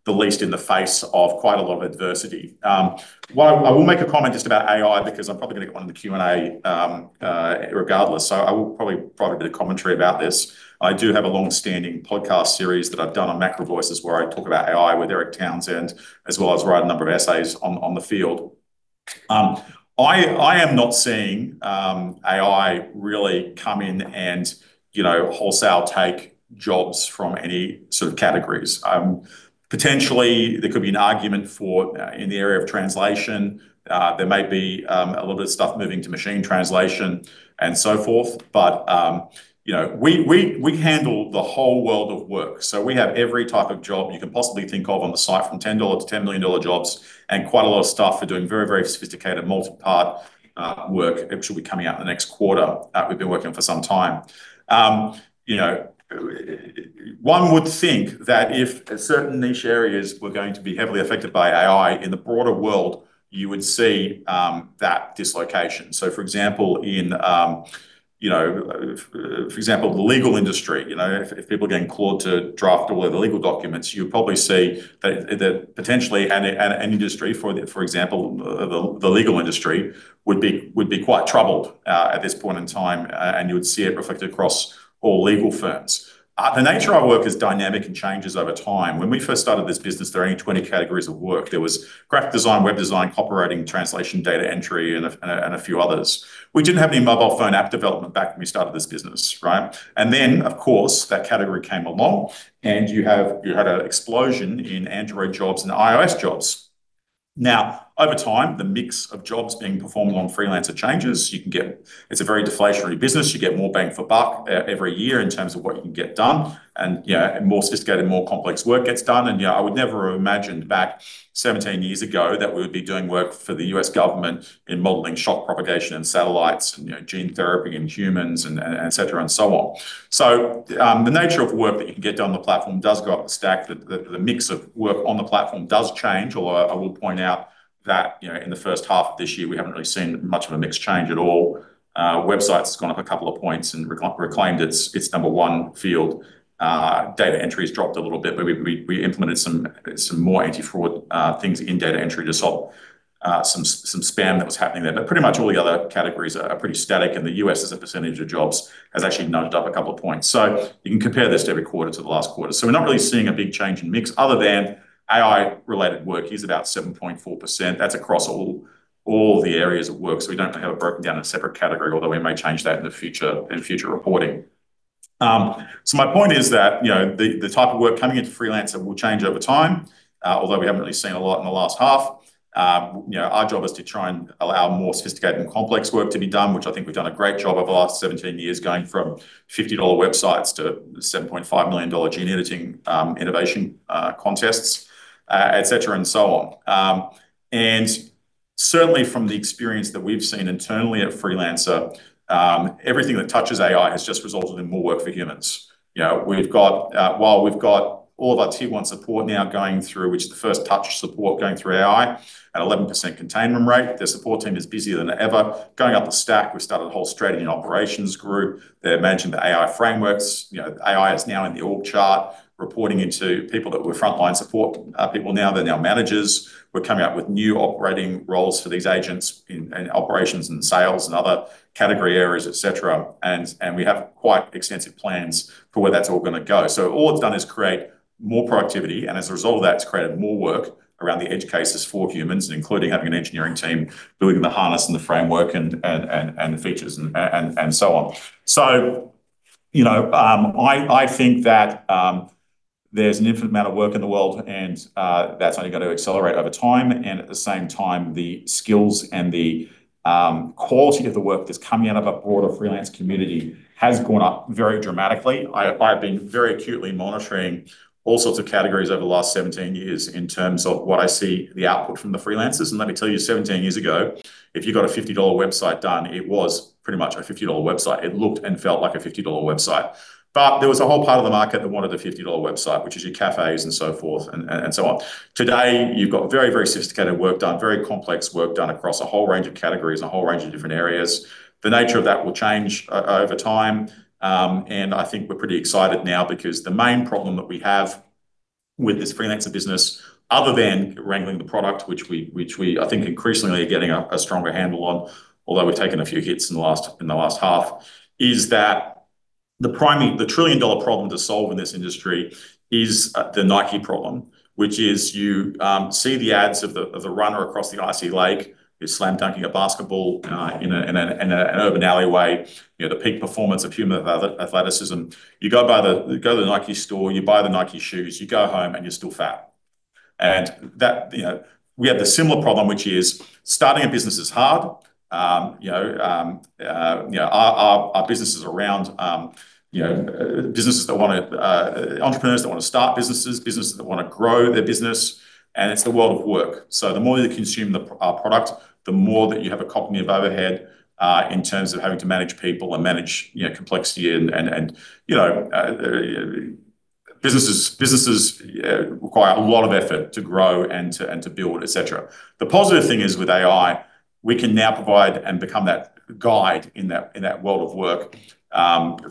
S1: the least in the face of quite a lot of adversity. I will make a comment just about AI because I'm probably going to get one in the Q&A regardless. I will probably do a commentary about this. I do have a long-standing podcast series that I've done on MacroVoices where I talk about AI with Erik Townsend, as well as write a number of essays on the field. I am not seeing AI really come in and wholesale take jobs from any categories. Potentially, there could be an argument for in the area of translation. There may be a little bit of stuff moving to machine translation and so forth. We handle the whole world of work. We have every type of job you can possibly think of on the site from 10 dollars to 10 million dollar jobs and quite a lot of stuff for doing very sophisticated, multi-part work, which will be coming out in the next quarter that we've been working on for some time. One would think that if certain niche areas were going to be heavily affected by AI in the broader world, you would see that dislocation. For example, the legal industry. If people are getting clawed to draft all of the legal documents, you will probably see that potentially an industry, for example, the legal industry would be quite troubled at this point in time. You would see it reflected across all legal firms. The nature of our work is dynamic and changes over time. When we first started this business, there were only 20 categories of work. There was graphic design, web design, copywriting, translation, data entry, and a few others. We didn't have any mobile phone app development back when we started this business, right? Then, of course, that category came along and you had an explosion in Android jobs and iOS jobs. Over time, the mix of jobs being performed on Freelancer changes. It's a very deflationary business. You get more bang for buck every year in terms of what you can get done and more sophisticated, more complex work gets done. I would never have imagined back 17 years ago that we would be doing work for the U.S. government in modeling shock propagation and satellites and gene therapy in humans, et cetera, and so on. The nature of work that you can get done on the platform does go up the stack. The mix of work on the platform does change, although I will point out that in the H1 of this year, we haven't really seen much of a mix change at all. Website's gone up a couple of points and reclaimed its number one field. Data entry's dropped a little bit, but we implemented some more anti-fraud things in data entry to solve some spam that was happening there. Pretty much all the other categories are pretty static, and the U.S. as a percentage of jobs has actually nudged up a couple of points. You can compare this to every quarter to the last quarter. We're not really seeing a big change in mix other than AI-related work is about 7.4%. That's across all the areas of work. We don't have it broken down in a separate category, although we may change that in future reporting. My point is that the type of work coming into Freelancer will change over time, although we haven't really seen a lot in the last half. Our job is to try and allow more sophisticated and complex work to be done, which I think we've done a great job of the last 17 years, going from 50 dollar websites to 7.5 million dollar gene editing innovation contests, et cetera, and so on. Certainly from the experience that we've seen internally at Freelancer, everything that touches AI has just resulted in more work for humans. While we've got all of our tier 1 support now going through, which is the first touch support going through AI at 11% containment rate. Their support team is busier than ever. Going up the stack, we started a whole strategy and operations group. They're managing the AI frameworks. AI is now in the org chart, reporting into people that were frontline support people. Now they're now managers. We're coming up with new operating roles for these agents in operations and sales and other category areas, et cetera. We have quite extensive plans for where that's all going to go. All it's done is create more productivity, and as a result of that, it's created more work around the edge cases for humans, including having an engineering team building the harness and the framework and the features and so on. I think that there's an infinite amount of work in the world, and that's only going to accelerate over time. At the same time, the skills and the quality of the work that's coming out of a broader freelance community has gone up very dramatically. I've been very acutely monitoring all sorts of categories over the last 17 years in terms of what I see the output from the freelancers. Let me tell you, 17 years ago, if you got a 50 dollar website done, it was pretty much a 50 dollar website. It looked and felt like a 50 dollar website. There was a whole part of the market that wanted a 50 dollar website, which is your cafes and so forth and so on. Today, you've got very sophisticated work done, very complex work done across a whole range of categories, a whole range of different areas. The nature of that will change over time. I think we're pretty excited now because the main problem that we have With this Freelancer business, other than wrangling the product, which we, I think increasingly are getting a stronger handle on, although we've taken a few hits in the last half, is that the trillion-dollar problem to solve in this industry is the Nike problem, which is you see the ads of the runner across the icy lake, who's slam dunking a basketball in an urban alleyway. The peak performance of human athleticism. You go to the Nike store, you buy the Nike shoes, you go home, and you're still fat. We have the similar problem, which is starting a business is hard. Our business is around entrepreneurs that want to start businesses that want to grow their business, and it's the world of work. The more you consume our product, the more that you have a cognitive overhead, in terms of having to manage people and manage complexity, and businesses require a lot of effort to grow and to build, et cetera. The positive thing is, with AI, we can now provide and become that guide in that world of work,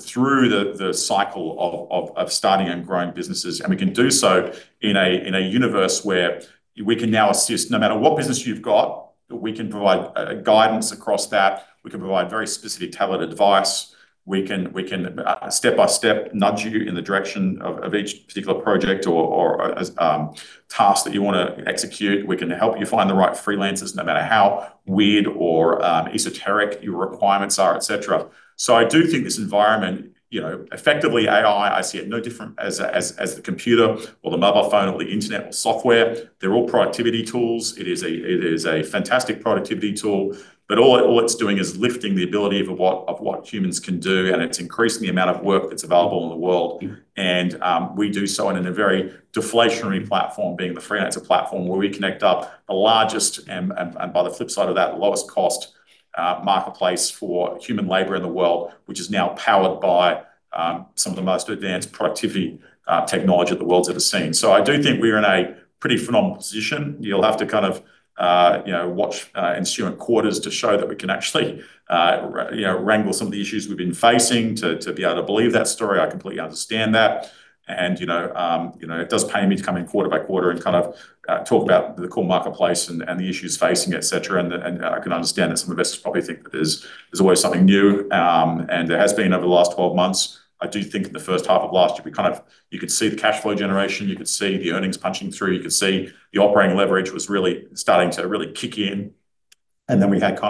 S1: through the cycle of starting and growing businesses. We can do so in a universe where we can now assist, no matter what business you've got, we can provide guidance across that. We can provide very specific tailored advice. We can step by step nudge you in the direction of each particular project or task that you want to execute. We can help you find the right freelancers, no matter how weird or esoteric your requirements are, et cetera. I do think this environment, effectively AI, I see it no different as the computer or the mobile phone or the internet or software. They're all productivity tools. It is a fantastic productivity tool. All it's doing is lifting the ability of what humans can do, and it's increasing the amount of work that's available in the world. We do so in a very deflationary platform, being the Freelancer platform, where we connect up the largest and, by the flip side of that, the lowest cost marketplace for human labor in the world, which is now powered by some of the most advanced productivity technology the world's ever seen. I do think we're in a pretty phenomenal position. You'll have to watch ensuing quarters to show that we can actually wrangle some of the issues we've been facing to be able to believe that story. I completely understand that. It does pay me to come in quarter by quarter and talk about the core marketplace and the issues facing it, et cetera. I can understand that some investors probably think that there's always something new, and there has been over the last 12 months. I do think in the H1 of last year, you could see the cash flow generation. You could see the earnings punching through. You could see the operating leverage was really starting to really kick in. Then we had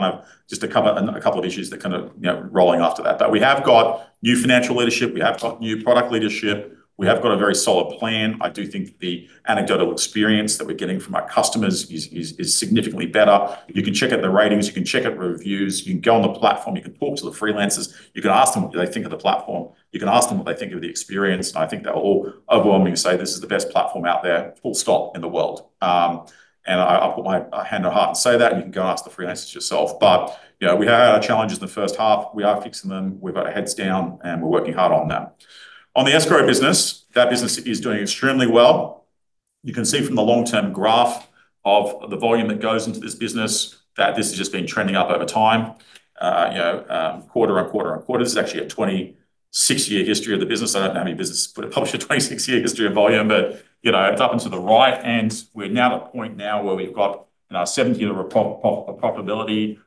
S1: just a couple of issues that rolling after that. We have got new financial leadership. We have new product leadership. We have got a very solid plan. I do think the anecdotal experience that we're getting from our customers is significantly better. You can check out the ratings, you can check out reviews, you can go on the platform, you can talk to the freelancers. You can ask them what they think of the platform. You can ask them what they think of the experience. I think they'll all overwhelmingly say this is the best platform out there, full stop, in the world. I put my hand on heart and say that, and you can go and ask the freelancers yourself. We had our challenges in the H1. We are fixing them. We've got our heads down, and we're working hard on that. On the Escrow business, that business is doing extremely well. You can see from the long-term graph of the volume that goes into this business that this has just been trending up over time. Quarter on quarter on quarter. This is actually a 26-year history of the business. I don't know how many businesses would have published a 26-year history of volume, but it's up and to the right, and we're now at a point now where we've got seventh year of profitability,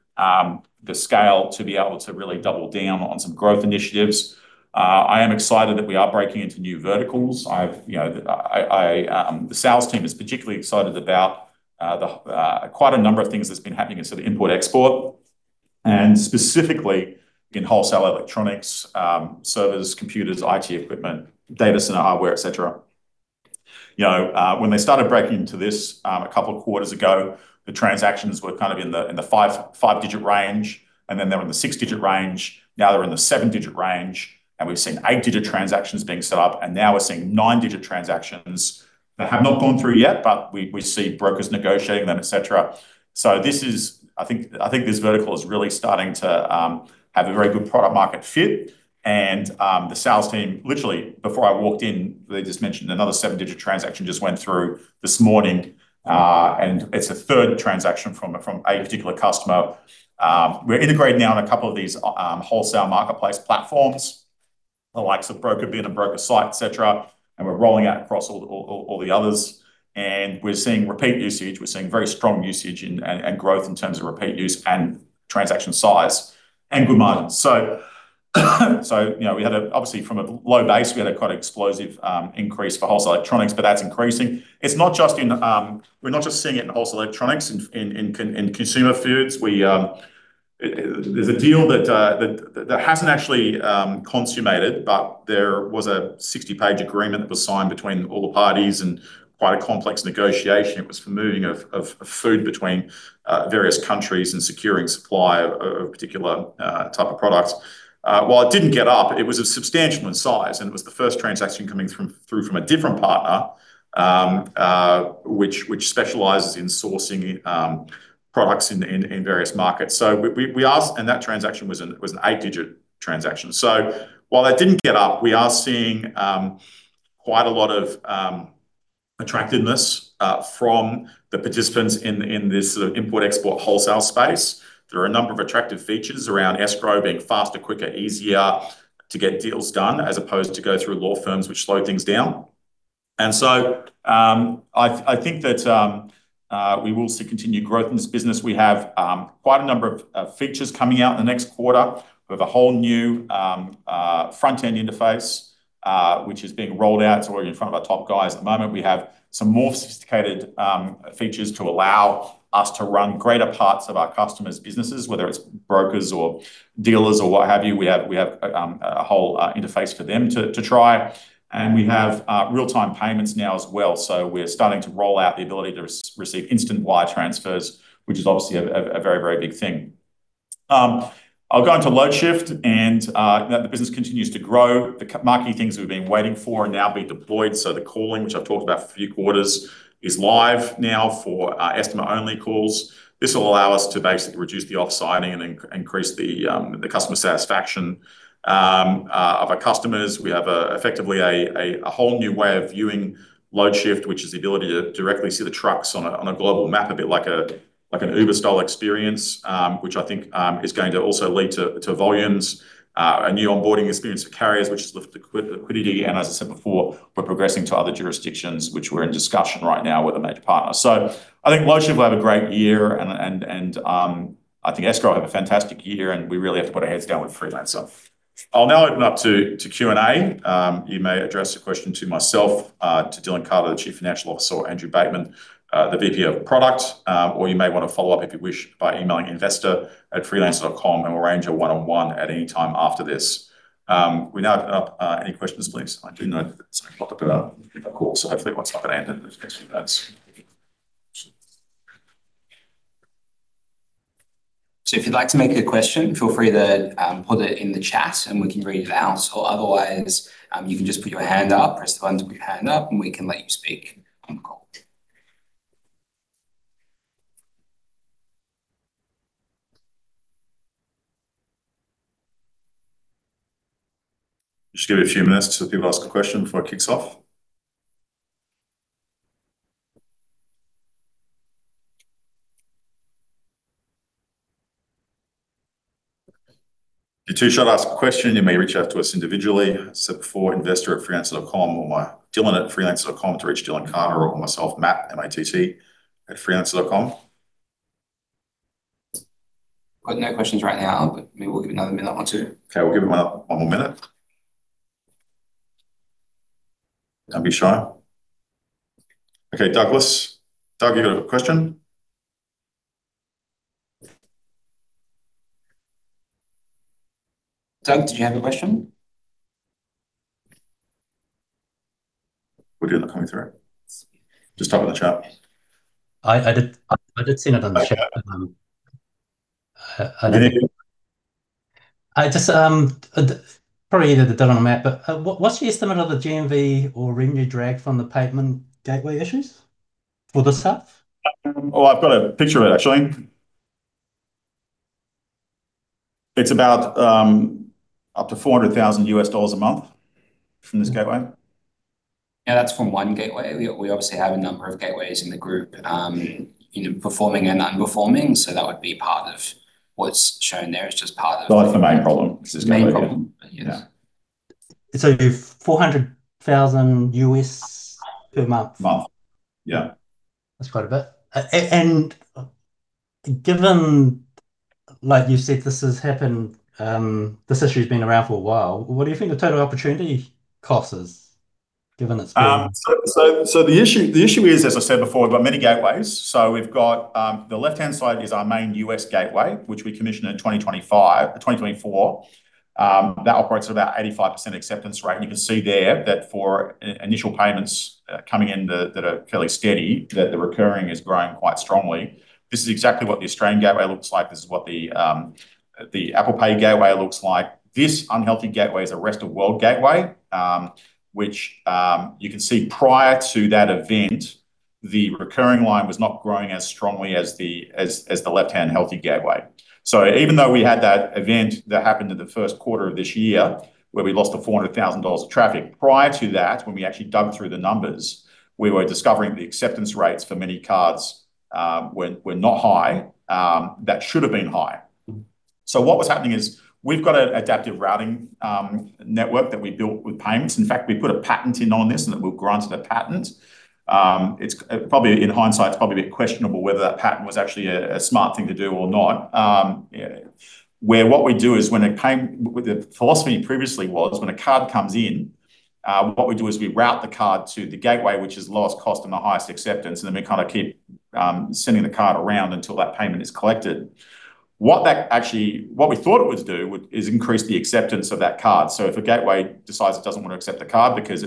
S1: the scale to be able to really double down on some growth initiatives. I am excited that we are breaking into new verticals. The sales team is particularly excited about quite a number of things that's been happening in import-export, and specifically in wholesale electronics, servers, computers, IT equipment, data center hardware, et cetera. When they started breaking into this a couple of quarters ago, the transactions were in the 5-digit range, and then they were in the 6-digit range. Now they're in the 7-digit range, and we've seen 8-digit transactions being set up, and now we're seeing 9-digit transactions that have not gone through yet, but we see brokers negotiating them, et cetera. I think this vertical is really starting to have a very good product market fit, and the sales team, literally before I walked in, they just mentioned another 7-digit transaction just went through this morning. It's a third transaction from a particular customer. We're integrated now in a couple of these wholesale marketplace platforms, the likes of BrokerBid and BrokerSite, et cetera. We're rolling out across all the others. We're seeing repeat usage. We're seeing very strong usage and growth in terms of repeat use and transaction size and good margins. Obviously from a low base, we had a quite explosive increase for wholesale electronics, but that's increasing. We're not just seeing it in wholesale electronics. In consumer foods, there's a deal that hasn't actually consummated, but there was a 60-page agreement that was signed between all the parties and quite a complex negotiation. It was for moving of food between various countries and securing supply of particular type of products. While it didn't get up, it was substantial in size, and it was the first transaction coming through from a different partner, which specializes in sourcing products in various markets. That transaction was an 8-digit transaction. While that didn't get up, we are seeing quite a lot of attractiveness from the participants in this import-export wholesale space. There are a number of attractive features around escrow being faster, quicker, easier to get deals done, as opposed to go through law firms which slow things down. I think that we will see continued growth in this business. We have quite a number of features coming out in the next quarter. We have a whole new front-end interface, which is being rolled out. It's already in front of our top guys at the moment. We have some more sophisticated features to allow us to run greater parts of our customers' businesses, whether it's brokers or dealers or what have you. We have a whole interface for them to try. We have real-time payments now as well. We're starting to roll out the ability to receive instant wire transfers, which is obviously a very, very big thing. I'll go into Loadshift and the business continues to grow. The marquee things we've been waiting for are now being deployed. The calling, which I've talked about for a few quarters, is live now for estimate-only calls. This will allow us to basically reduce the off-siting and increase the customer satisfaction of our customers. We have effectively a whole new way of viewing Loadshift, which is the ability to directly see the trucks on a global map, a bit like an Uber-style experience, which I think is going to also lead to volumes. A new onboarding experience for carriers, which has lifted liquidity. As I said before, we're progressing to other jurisdictions, which we're in discussion right now with a major partner. I think Loadshift will have a great year and I think Escrow will have a fantastic year, and we really have to put our heads down with Freelancer. I'll now open up to Q&A. You may address the question to myself, to Dylan Carter, the Chief Financial Officer, or Andrew Bateman, the VP of product. You may want to follow up, if you wish, by emailing investor@freelancer.com, and we'll arrange a one-on-one at any time after this. We now open up any questions, please. I do know that it's a lot to put up in a call, so hopefully what's happened and the next few minutes.
S2: If you'd like to make a question, feel free to put it in the chat and we can read it out. Otherwise, you can just put your hand up, press the button with your hand up, and we can let you speak on the call.
S1: Just give it a few minutes to people ask a question before it kicks off. If you do ask a question, you may reach out to us individually. As I said before, investor@freelancer.com or Dylan@freelancer.com to reach Dylan Carter or myself, Matt, M-A-T-T, @freelancer.com.
S2: Got no questions right now, but maybe we'll give it another minute or two.
S1: Okay, we'll give them one more minute. Don't be shy. Okay, Douglas. Doug, you have a question?
S2: Doug, did you have a question?
S1: What, he did come through?
S2: Let's see.
S1: Just type it in the chat.
S3: I did send it on the chat.
S1: Okay.
S3: I just, probably either to Dylan or Matt, but what's the estimate of the GMV or revenue drag from the payment gateway issues for the South?
S1: Well, I've got a picture of it actually. It's about up to $400,000 a month from this gateway.
S2: Yeah, that's from one gateway. We obviously have a number of gateways in the group, performing and non-performing. That would be part of what's shown there.
S1: Well, that's the main problem.
S2: It's the main problem. Yeah.
S1: Yeah.
S3: $400,000 per month?
S1: Month. Yeah.
S3: That's quite a bit. Given, like you said, this issue's been around for a while, what do you think the total opportunity cost is?
S1: The issue is, as I said before, we've got many gateways. We've got the left-hand side is our main U.S. gateway, which we commissioned in 2024, that operates at about 85% acceptance rate. You can see there that for initial payments coming in that are fairly steady, that the recurring is growing quite strongly. This is exactly what the Australian gateway looks like. This is what the Apple Pay gateway looks like. This unhealthy gateway is a rest-of-world gateway, which you can see prior to that event, the recurring line was not growing as strongly as the left-hand healthy gateway. Even though we had that event that happened in the Q1 of this year where we lost the 400,000 dollars of traffic, prior to that, when we actually dug through the numbers, we were discovering the acceptance rates for many cards were not high that should've been high. What was happening is we've got an adaptive routing network that we built with payments. In fact, we put a patent in on this, and were granted a patent. In hindsight, it's probably a bit questionable whether that patent was actually a smart thing to do or not. What we do is, the philosophy previously was when a card comes in, what we do is we route the card to the gateway, which is the lowest cost and the highest acceptance, and then we kind of keep sending the card around until that payment is collected. What we thought it would do is increase the acceptance of that card. If a gateway decides it doesn't want to accept the card because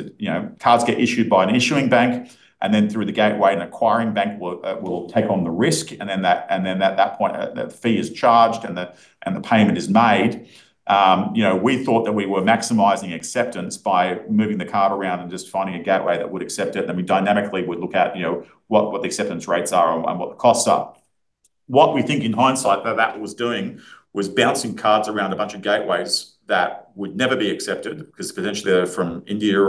S1: cards get issued by an issuing bank and then through the gateway, an acquiring bank will take on the risk, and then at that point, the fee is charged, and the payment is made. We thought that we were maximizing acceptance by moving the card around and just finding a gateway that would accept it, and then we dynamically would look at what the acceptance rates are and what the costs are. What we think in hindsight, though, that was doing was bouncing cards around a bunch of gateways that would never be accepted because potentially they're from India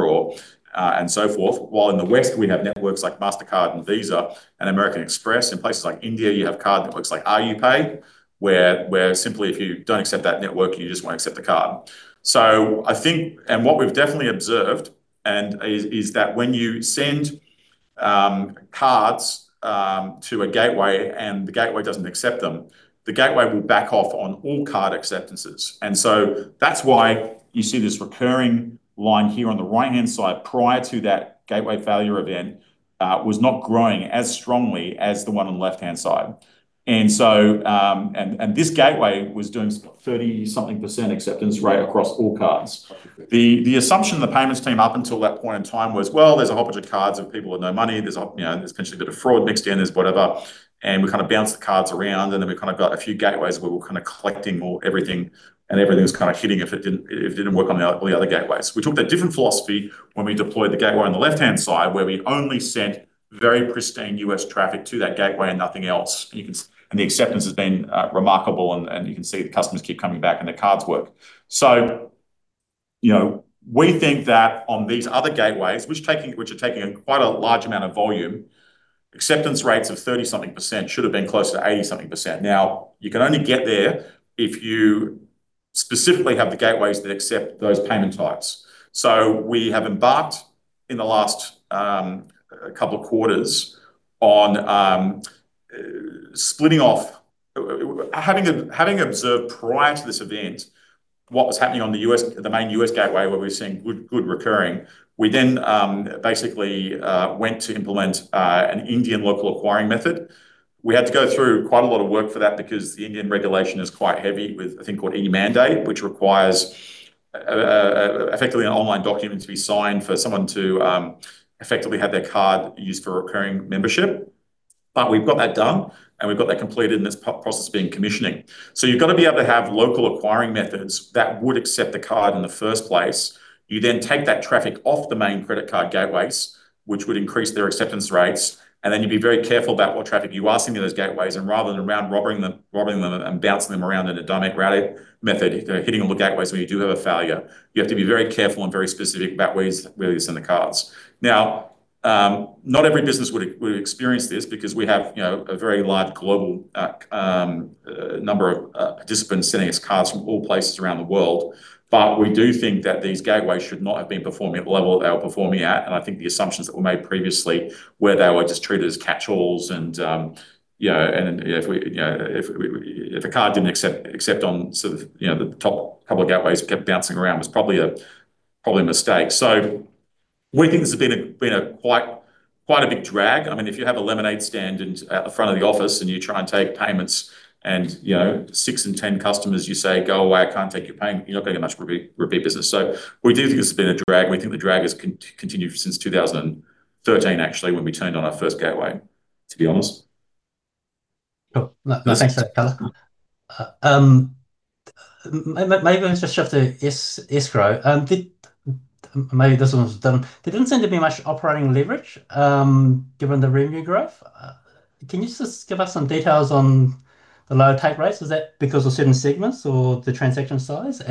S1: and so forth. While in the West, we have networks like Mastercard and Visa and American Express. In places like India, you have card networks like RuPay, where simply if you don't accept that network, you just won't accept the card. What we've definitely observed and is that when you send cards to a gateway and the gateway doesn't accept them, the gateway will back off on all card acceptances. That's why you see this recurring line here on the right-hand side, prior to that gateway failure event, was not growing as strongly as the one on the left-hand side. This gateway was doing 30-something% acceptance rate across all cards. The assumption the payments team, up until that point in time, was, well, there's a whole bunch of cards of people with no money. There's potentially a bit of fraud mixed in. There's whatever. We kind of bounced the cards around, and then we kind of got a few gateways where we were kind of collecting all, everything, and everything was kind of hitting if it didn't work on the other gateways. We took that different philosophy when we deployed the gateway on the left-hand side, where we only sent very pristine U.S. traffic to that gateway and nothing else. The acceptance has been remarkable, and you can see the customers keep coming back, and their cards work. We think that on these other gateways, which are taking quite a large amount of volume, acceptance rates of 30-something% should have been closer to 80-something%. Now, you can only get there if you specifically have the gateways that accept those payment types. We have embarked, in the last couple of quarters, on splitting off. Having observed prior to this event what was happening on the main U.S. gateway, where we were seeing good recurring, we then basically went to implement an Indian local acquiring method. We had to go through quite a lot of work for that because the Indian regulation is quite heavy with a thing called eMandate, which requires effectively an online document to be signed for someone to effectively have their card used for recurring membership. We've got that done, and we've got that completed, and there's processes being commissioning. You've got to be able to have local acquiring methods that would accept the card in the first place. You take that traffic off the main credit card gateways, which would increase their acceptance rates, and you'd be very careful about what traffic you are sending to those gateways. Rather than around robbing them and bouncing them around in a dynamic routing method, if they're hitting all the gateways where you do have a failure, you have to be very careful and very specific about where you send the cards. Not every business would've experienced this because we have a very large global number of participants sending us cards from all places around the world. We do think that these gateways should not have been performing at the level they were performing at. I think the assumptions that were made previously, where they were just treated as catchalls and if a card didn't accept on sort of the top couple of gateways, it kept bouncing around, was probably a mistake. We think this has been quite a big drag. If you have a lemonade stand out the front of the office and you try and take payments and 6 in 10 customers you say, "Go away, I can't take your payment," you're not getting much repeat business. We do think this has been a drag, and we think the drag has continued since 2013, actually, when we turned on our first gateway, to be honest.
S3: Cool. No, thanks for that. Maybe I'll just shift to Escrow. Maybe this one's done. There didn't seem to be much operating leverage, given the revenue growth. Can you just give us some details on the lower take rates? Is that because of certain segments or the transaction size?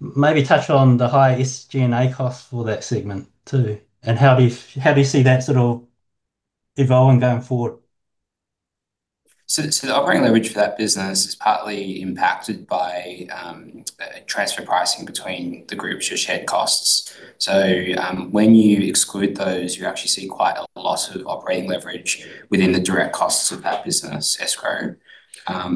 S3: Maybe touch on the higher SG&A costs for that segment, too, and how do you see that sort of evolving going forward?
S2: The operating leverage for that business is partly impacted by transfer pricing between the group's shared costs. When you exclude those, you actually see quite a lot of operating leverage within the direct costs of that business, Escrow.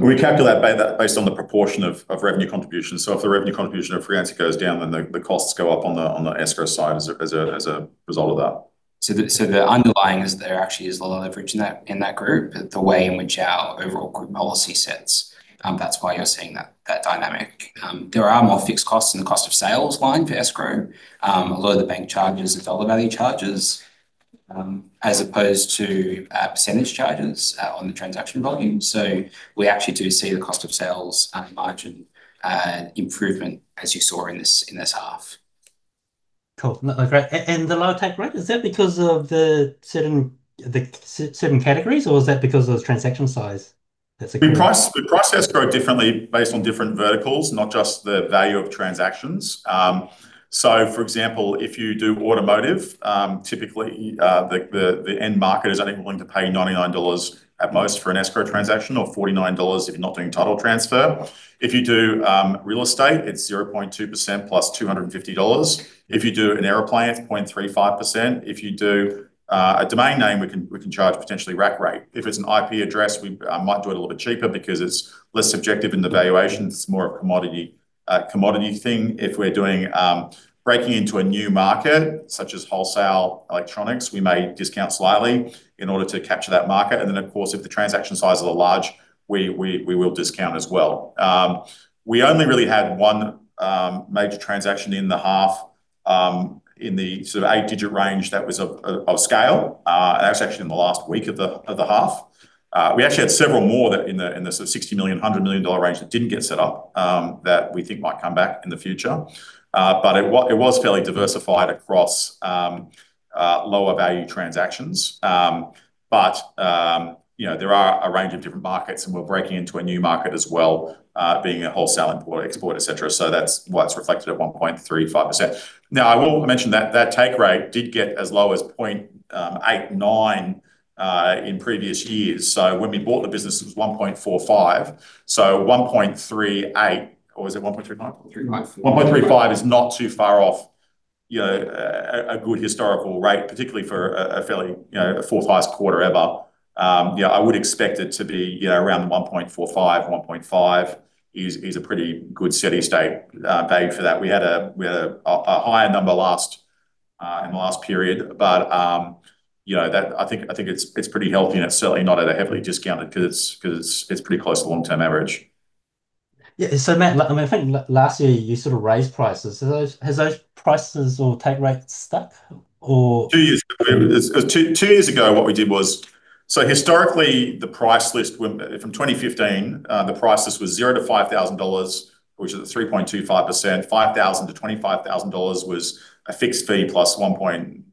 S1: We calculate that based on the proportion of revenue contribution. If the revenue contribution of Freelancer goes down, then the costs go up on the Escrow side as a result of that.
S2: The underlying is there actually is a lot of leverage in that group, but the way in which our overall group policy sits, that's why you're seeing that dynamic. There are more fixed costs in the cost of sales line for Escrow. A lot of the bank charges are dollar value charges, as opposed to percentage charges on the transaction volume. We actually do see the cost of sales margin improvement, as you saw in this half.
S3: Cool. No, great. The lower take rate, is that because of the certain categories or is that because of the transaction size that's occurring?
S1: We price Escrow.com differently based on different verticals, not just the value of transactions. For example, if you do automotive, typically, the end market is only willing to pay 99 dollars at most for an Escrow.com transaction, or 49 dollars if you're not doing title transfer. If you do real estate, it's 0.2% plus 250 dollars. If you do an airplane, it's 0.35%. If you do a domain name, we can charge potentially rack rate. If it's an IP address, we might do it a little bit cheaper because it's less subjective in the valuation. It's more of a commodity thing. If we're breaking into a new market, such as wholesale electronics, we may discount slightly in order to capture that market. Of course, if the transaction size is large, we will discount as well. We only really had one major transaction in the half, in the sort of 8-digit range that was of scale. That was actually in the last week of the half. We actually had several more in the sort of 60 million, 100 million dollar range that didn't get set up, that we think might come back in the future. It was fairly diversified across lower value transactions. There are a range of different markets, and we're breaking into a new market as well, being a wholesale import, export, et cetera. That's why it's reflected at 1.35%. I will mention that that take rate did get as low as 0.89- In previous years. When we bought the business, it was 1.45. 1.38, or was it 1.39?
S2: 35.
S1: 1.35 is not too far off a good historical rate, particularly for a 4th highest quarter ever. I would expect it to be around the 1.45, 1.5 is a pretty good steady state bag for that. We had a higher number in the last period, I think it's pretty healthy and it's certainly not at a heavily discounted because it's pretty close to the long-term average.
S3: Matt, I think last year you sort of raised prices. Has those prices or take rates stuck or-
S1: Two years ago, historically, the price list from 2015, was zero to 5,000 dollars, which is a 3.25%. 5,000-25,000 dollars was a fixed fee plus 1.6%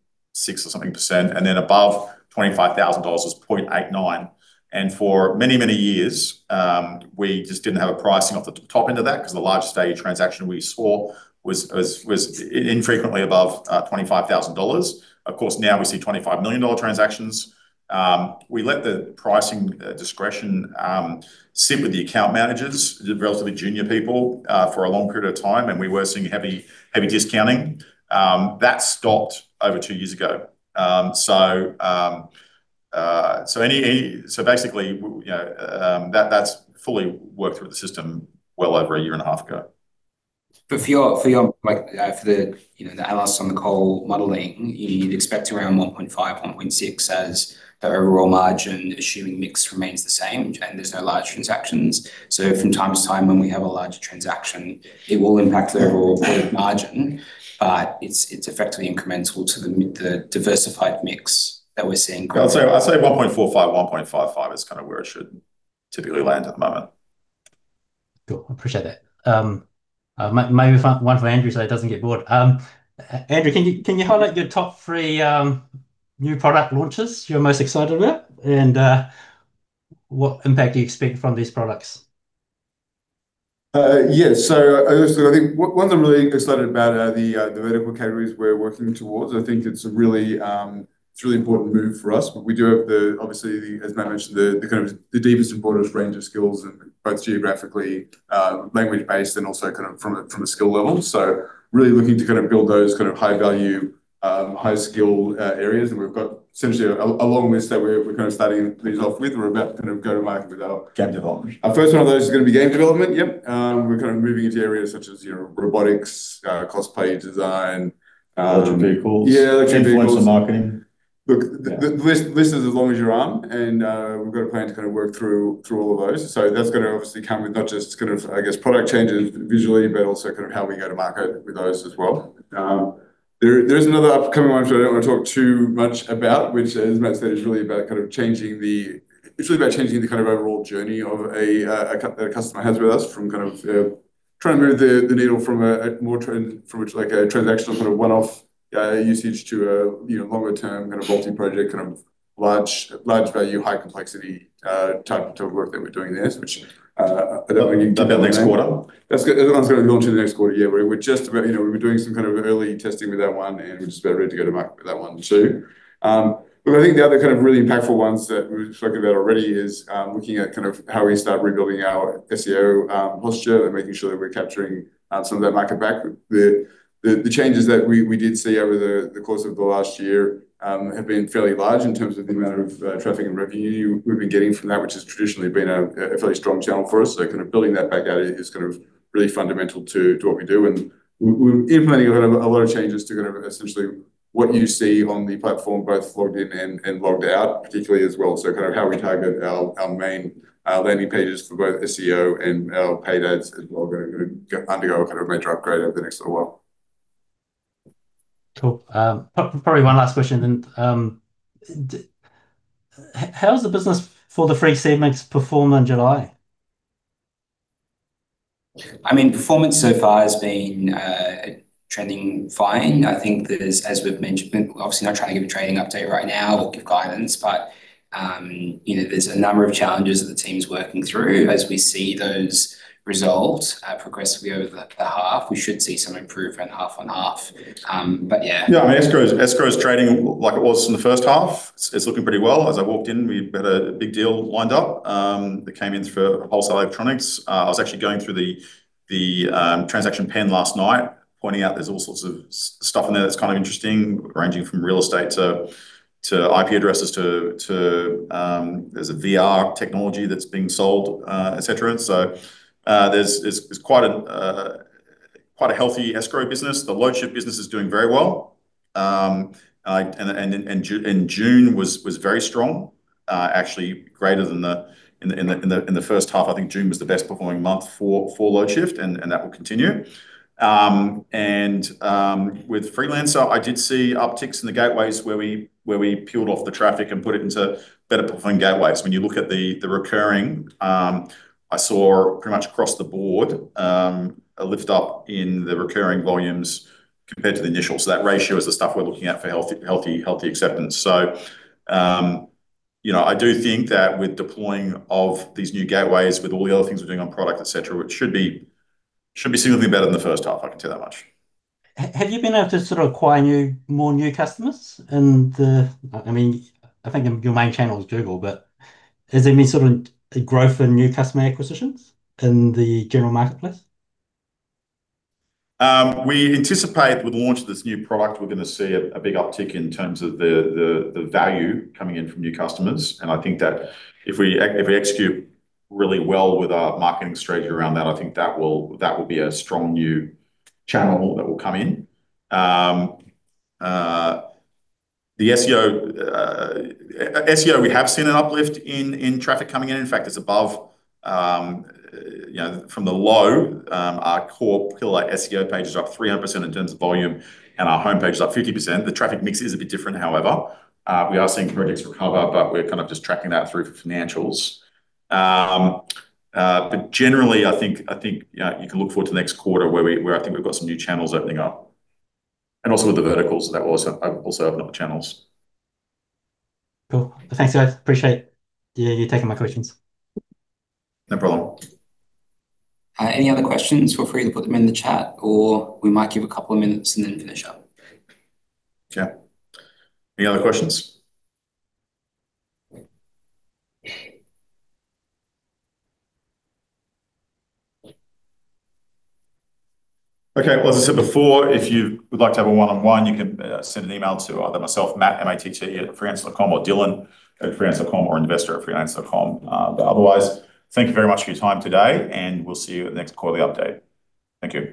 S1: or something, and then above 25,000 dollars was 0.89%. For many years, we just didn't have a pricing off the top end of that because the largest stage transaction we saw was infrequently above 25,000 dollars. Of course, now we see 25 million dollar transactions. We let the pricing discretion sit with the account managers, the relatively junior people, for a long period of time, and we were seeing heavy discounting. That stopped over two years ago. Basically, that's fully worked through the system well over a year and a half ago.
S2: For the analysts on the call modeling, you'd expect around 1.5%-1.6% as the overall margin, assuming mix remains the same and there are no large transactions. From time to time, when we have a larger transaction, it will impact the overall margin, but it's effectively incremental to the diversified mix that we're seeing.
S1: I'd say 1.45%-1.55% is kind of where it should typically land at the moment.
S3: Cool. Appreciate that. Maybe one for Andrew so he doesn't get bored. Andrew, can you highlight your top three new product launches you're most excited about? What impact do you expect from these products?
S4: Yes. I think ones I am really excited about are the vertical categories we are working towards. I think it is a really important move for us. We do have the, obviously, as Matt mentioned, the kind of the deepest and broadest range of skills, both geographically, language-based, and also from a skill level. Really looking to build those high-value, high-skill areas. We have got essentially a long list that we are starting things off with. We are about to go to market with our-
S2: Game development.
S4: Our first one of those is going to be game development. Yep. We are kind of moving into areas such as robotics, cosplay design-
S1: Electric vehicles.
S4: Yeah, electric vehicles.
S1: Influencer marketing.
S4: Look, the list is as long as your arm, and we've got a plan to work through all of those. That's going to obviously come with not just, I guess, product changes visually, but also how we go to market with those as well. There is another upcoming one which I don't want to talk too much about, which as Matt said, it's really about changing the overall journey of a customer has with us from kind of trying to move the needle from a more, from a transactional one-off usage to a longer-term multi-project, large value, high complexity type of work that we're doing there, which I don't think you can name.
S1: About next quarter.
S4: That one's going to launch in the next quarter year. We've been doing some early testing with that one, and we're just about ready to go to market with that one too. I think the other really impactful ones that we've spoken about already is looking at how we start rebuilding our SEO posture and making sure that we're capturing some of that market back. The changes that we did see over the course of the last year have been fairly large in terms of the amount of traffic and revenue we've been getting from that, which has traditionally been a fairly strong channel for us. Building that back out is really fundamental to what we do, and we're implementing a lot of changes to essentially what you see on the platform, both logged in and logged out, particularly as well. How we target our main landing pages for both SEO and our paid ads as well are going to undergo a major upgrade over the next little while.
S3: Cool. Probably one last question then. How has the business for the three segments performed in July? Performance so far has been trending fine. I think there's, as we've mentioned, obviously not trying to give a trading update right now or give guidance, there's a number of challenges that the team's working through. As we see those resolved progressively over the half, we should see some improvement half on half. Yeah.
S1: Yeah, Escrow is trading like it was in the H1. It's looking pretty well. As I walked in, we've got a big deal lined up, that came in for wholesale electronics. I was actually going through the transaction pen last night, pointing out there's all sorts of stuff in there that's kind of interesting, ranging from real estate to IP addresses, to there's a VR technology that's being sold, et cetera. There's quite a healthy Escrow business. The Loadshift business is doing very well. June was very strong. Actually greater than In the H1, I think June was the best performing month for Loadshift, and that will continue. With Freelancer, I did see upticks in the gateways where we peeled off the traffic and put it into better performing gateways. When you look at the recurring, I saw pretty much across the board, a lift up in the recurring volumes compared to the initial. That ratio is the stuff we're looking at for healthy acceptance. I do think that with deploying of these new gateways, with all the other things we're doing on product, et cetera, it should be significantly better than the H1, I can tell that much.
S3: Have you been able to acquire more new customers? I think your main channel is Google, but has there been a growth in new customer acquisitions in the general marketplace?
S1: We anticipate with the launch of this new product, we're going to see a big uptick in terms of the value coming in from new customers. I think that if we execute really well with our marketing strategy around that, I think that will be a strong new channel that will come in. The SEO, we have seen an uplift in traffic coming in. In fact, it's above, from the low, our core pillar SEO page is up 300% in terms of volume, and our homepage is up 50%. The traffic mix is a bit different, however. We are seeing conversion recover, but we're kind of just tracking that through for financials. Generally, I think you can look forward to the next quarter where I think we've got some new channels opening up. Also with the verticals, that will also open up channels.
S3: Cool. Thanks, guys. Appreciate you taking my questions.
S1: No problem.
S2: Any other questions, feel free to put them in the chat, or we might give a couple of minutes and then finish up.
S1: Yeah. Any other questions? Okay. Well, as I said before, if you would like to have a one-on-one, you can send an email to either myself, Matt, M-A-T-T at freelancer.com, or Dylan at freelancer.com, or investor at freelancer.com. Otherwise, thank you very much for your time today, and we'll see you at the next quarterly update. Thank you.